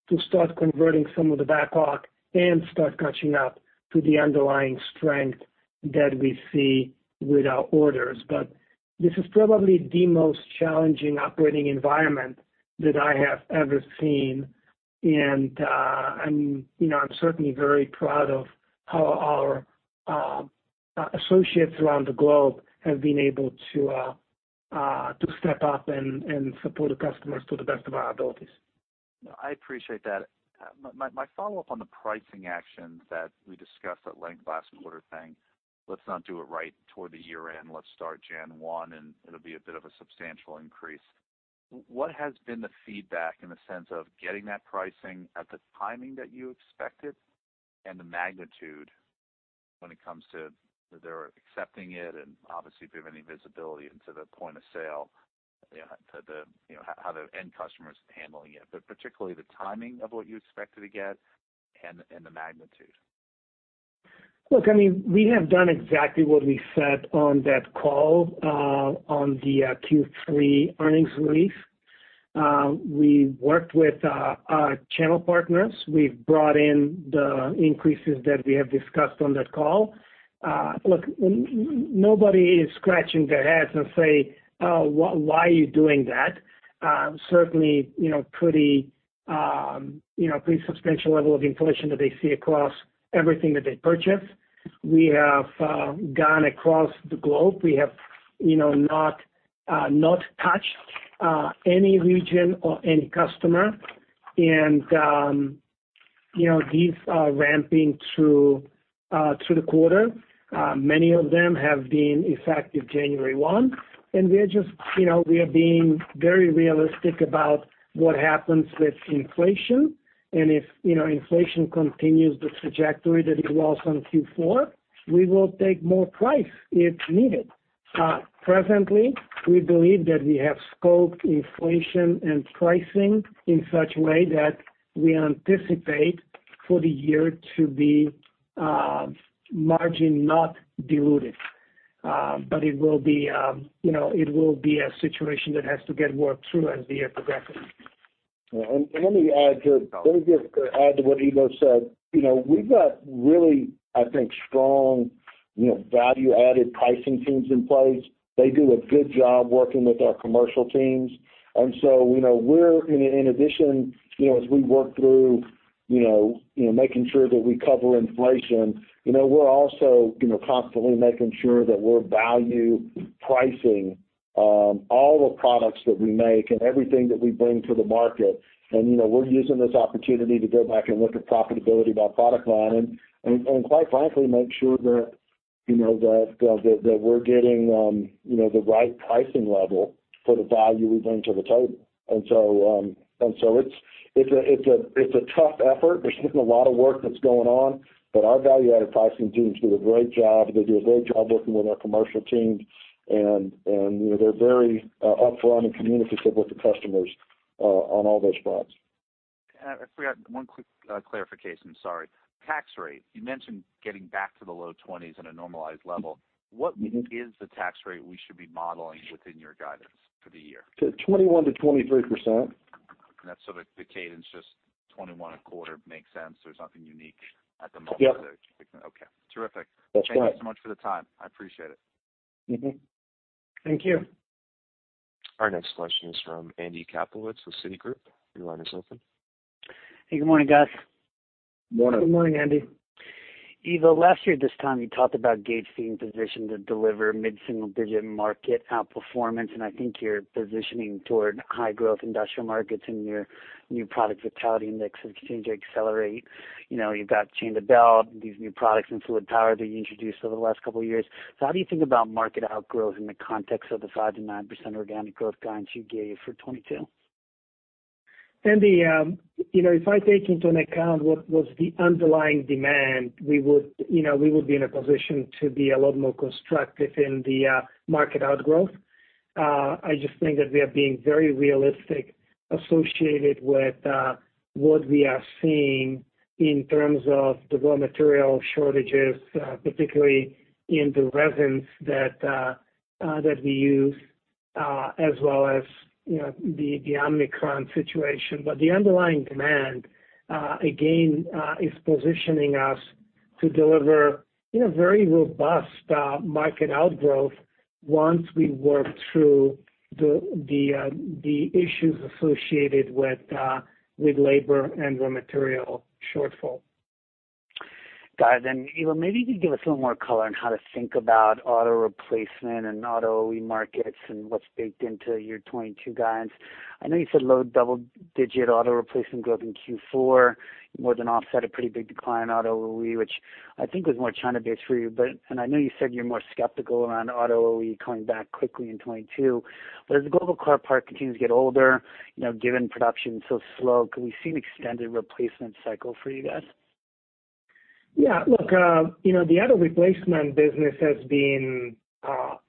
to start converting some of the backlog and start catching up to the underlying strength that we see with our orders. This is probably the most challenging operating environment that I have ever seen. You know, I'm certainly very proud of how our associates around the globe have been able to step up and support the customers to the best of our abilities. No, I appreciate that. My follow-up on the pricing actions that we discussed at length last quarter, saying, "Let's not do it right toward the year-end. Let's start January 1, and it'll be a bit of a substantial increase." What has been the feedback in the sense of getting that pricing at the timing that you expected and the magnitude when it comes to they're accepting it and obviously if you have any visibility into the point of sale, you know, to the, you know, how the end customer is handling it? But particularly the timing of what you expected to get and the magnitude. Look, I mean, we have done exactly what we said on that call, on the Q3 earnings release. We worked with our channel partners. We've brought in the increases that we have discussed on that call. Look, nobody is scratching their heads and say, "Why are you doing that?" Certainly, you know, pretty, you know, pretty substantial level of inflation that they see across everything that they purchase. We have gone across the globe. We have, you know, not touched any region or any customer. You know, these are ramping through the quarter. Many of them have been effective January 1. We're just, you know, we are being very realistic about what happens with inflation. If, you know, inflation continues the trajectory that it was on Q4, we will take more price if needed. Presently, we believe that we have scoped inflation and pricing in such a way that we anticipate for the year to be margin not dilutive. It will be, you know, it will be a situation that has to get worked through as the year progresses. Let me just add to what Ivo said. You know, we've got really, I think, strong, you know, value-added pricing teams in place. They do a good job working with our commercial teams. You know, we're in addition, you know, as we work through, you know, you know, making sure that we cover inflation, you know, we're also, you know, constantly making sure that we're value pricing all the products that we make and everything that we bring to the market. You know, we're using this opportunity to go back and look at profitability by product line and quite frankly, make sure that, you know, that we're getting, you know, the right pricing level for the value we bring to the table. It's a tough effort. There's been a lot of work that's going on, but our value-added pricing teams do a great job. They do a great job working with our commercial teams. You know, they're very upfront and communicative with the customers on all those fronts. I forgot one quick clarification. Sorry. Tax rate. You mentioned getting back to the low 20s% at a normalized level. What is the tax rate we should be modeling within your guidance for the year? To 21% to 23%. That's so that the cadence just 21% a quarter makes sense. There's nothing unique at the moment. Yep. Okay. Terrific. That's right. Thank you so much for the time. I appreciate it. Mm-hmm. Thank you. Our next question is from Andy Kaplowitz with Citigroup. Your line is open. Hey, good morning, guys. Morning. Good morning, Andy. Ivo, last year this time you talked about Gates being positioned to deliver mid-single-digit market outperformance, and I think you're positioning toward high growth industrial markets and your New Product Vitality Index is continuing to accelerate. You know, you've got chain-to-belt and these new products in fluid power that you introduced over the last couple of years. How do you think about market outgrowth in the context of the 5%-9% organic growth guidance you gave for 2022? Andy, you know, if I take into account what was the underlying demand, we would, you know, be in a position to be a lot more constructive in the market outgrowth. I just think that we are being very realistic associated with what we are seeing in terms of the raw material shortages, particularly in the resins that we use, as well as, you know, the Omicron situation. The underlying demand, again, is positioning us to deliver in a very robust market outgrowth once we work through the issues associated with labor and raw material shortfall. Guys, and Ivo, maybe you could give us a little more color on how to think about auto replacement and auto OE markets and what's baked into your 2022 guidance. I know you said low double digit auto replacement growth in Q4 more than offset a pretty big decline in auto OE, which I think was more China-based for you. I know you said you're more skeptical around auto OE coming back quickly in 2022. As the global car park continues to get older, you know, given production so slow, can we see an extended replacement cycle for you guys? Yeah. Look, you know, the auto replacement business has been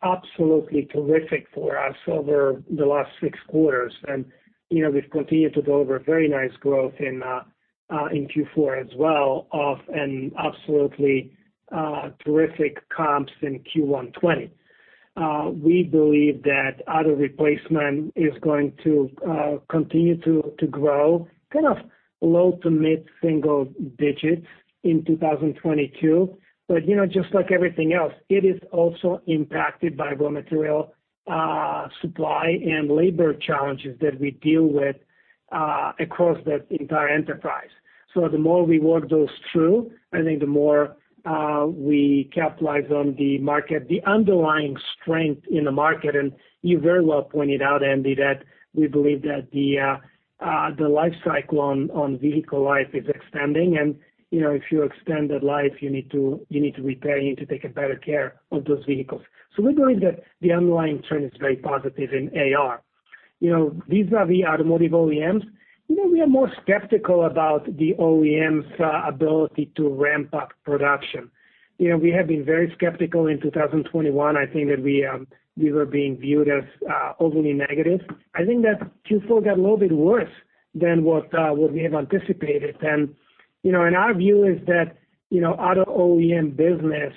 absolutely terrific for us over the last six quarters. You know, we've continued to deliver very nice growth in Q4 as well off an absolutely terrific comps in Q1 2020. We believe that auto replacement is going to continue to grow kind of low- to mid-single digits percent in 2022. You know, just like everything else, it is also impacted by raw material supply and labor challenges that we deal with across the entire enterprise. The more we work those through, I think the more we capitalize on the market, the underlying strength in the market. You very well pointed out, Andy, that we believe that the life cycle on vehicle life is extending. You know, if you extend the life, you need to repair, you need to take better care of those vehicles. We believe that the underlying trend is very positive in AR. You know, vis-a-vis automotive OEMs, you know, we are more skeptical about the OEM's ability to ramp up production. You know, we have been very skeptical in 2021. I think that we were being viewed as overly negative. I think that Q4 got a little bit worse than what we have anticipated. You know, our view is that, you know, auto OEM business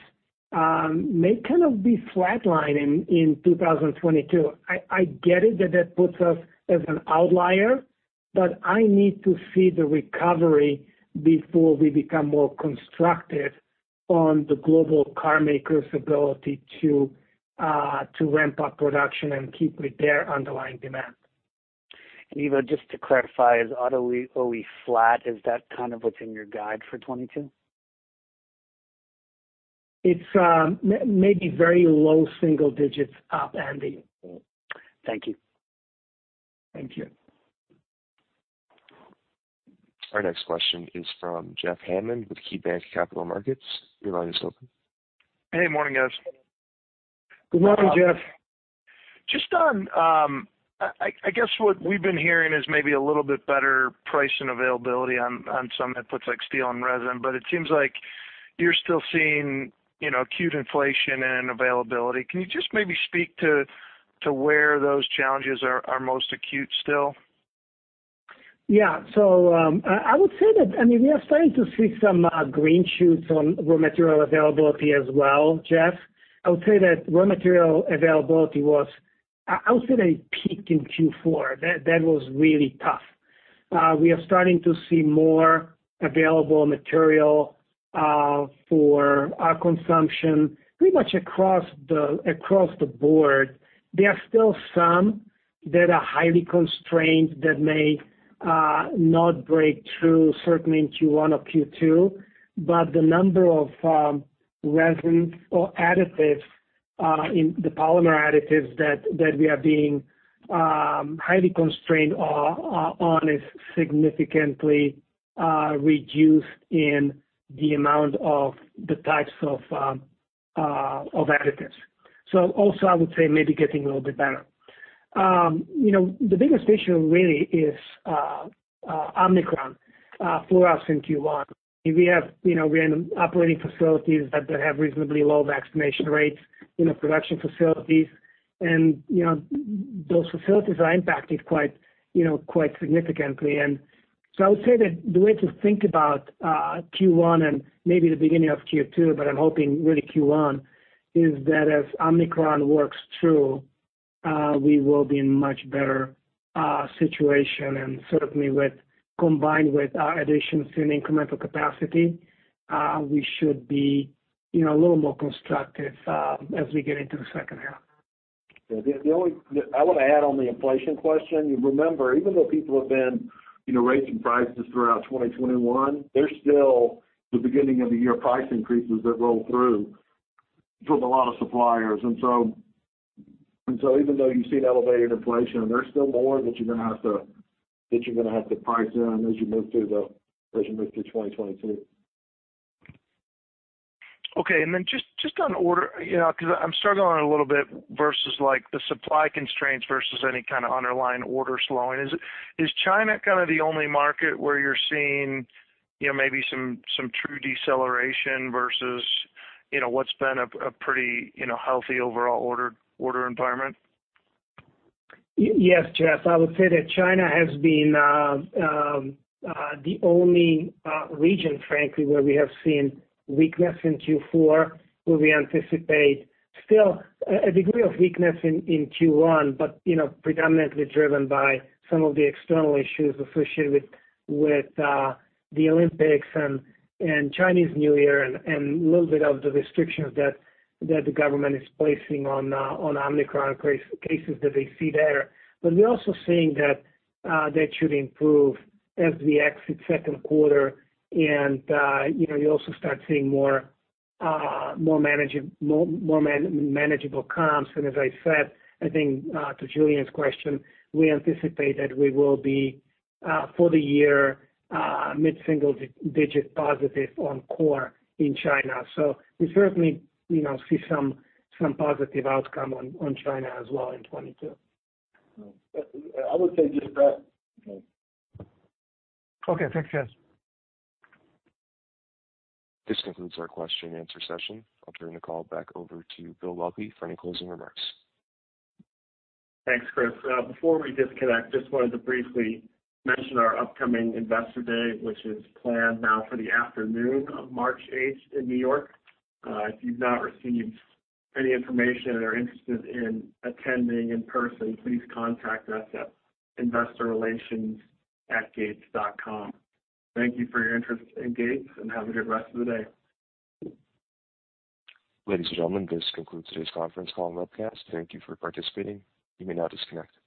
may kind of be flatlining in 2022. I get it that puts us as an outlier, but I need to see the recovery before we become more constructive on the global car makers' ability to ramp up production and keep repair underlying demand. Ivo, just to clarify, is auto OE flat, is that kind of what's in your guide for 2022? It's maybe very low single digits up, Andy. Thank you. Thank you. Our next question is from Jeff Hammond with KeyBanc Capital Markets. Your line is open. Hey, morning, guys. Good morning, Jeff. Just on, I guess what we've been hearing is maybe a little bit better price and availability on some inputs like steel and resin, but it seems like you're still seeing, you know, acute inflation and availability. Can you just maybe speak to where those challenges are most acute still? Yeah, I would say that, I mean, we are starting to see some green shoots on raw material availability as well, Jeff. I would say that raw material availability peaked in Q4. That was really tough. We are starting to see more available material for our consumption pretty much across the board. There are still some that are highly constrained that may not break through certainly in Q1 or Q2, but the number of resin or additives in the polymer additives that we are being highly constrained on is significantly reduced in the amount of the types of additives. Also I would say maybe getting a little bit better. You know, the biggest issue really is Omicron for us in Q1. We have, you know, we're in operating facilities that have reasonably low vaccination rates, you know, production facilities. You know, those facilities are impacted quite, you know, quite significantly. I would say that the way to think about Q1 and maybe the beginning of Q2, but I'm hoping really Q1, is that as Omicron works through, we will be in much better situation. Certainly combined with our additions in incremental capacity, we should be, you know, a little more constructive as we get into the second half. I wanna add on the inflation question. Remember, even though people have been, you know, raising prices throughout 2021, there's still the beginning of the year price increases that roll through from a lot of suppliers. Even though you've seen elevated inflation, there's still more that you're gonna have to price in as you move through 2022. Okay. Just on order, you know, 'cause I'm struggling a little bit versus like the supply constraints versus any kind of underlying order slowing. Is China kind of the only market where you're seeing, you know, maybe some true deceleration versus, you know, what's been a pretty, you know, healthy overall order environment? Yes, Jeff. I would say that China has been the only region frankly where we have seen weakness in Q4, where we anticipate still a degree of weakness in Q1, but you know, predominantly driven by some of the external issues associated with the Olympics and Chinese New Year and a little bit of the restrictions that the government is placing on Omicron cases that they see there. We're also seeing that should improve as we exit second quarter and you know, you also start seeing more manageable comps. As I said, I think to Julian's question, we anticipate that we will be for the year mid-single-digit positive on core in China. We certainly, you know, see some positive outcome on China as well in 2022. I would say just that. Okay. Thanks, guys. This concludes our question and answer session. I'll turn the call back over to Bill Waelke for any closing remarks. Thanks, Chris. Before we disconnect, just wanted to briefly mention our upcoming Investor Day, which is planned now for the afternoon of March 8th in New York. If you've not received any information and are interested in attending in person, please contact us at investorrelations@gates.com. Thank you for your interest in Gates, and have a good rest of the day. Ladies and gentlemen, this concludes today's conference call and webcast. Thank you for participating. You may now disconnect.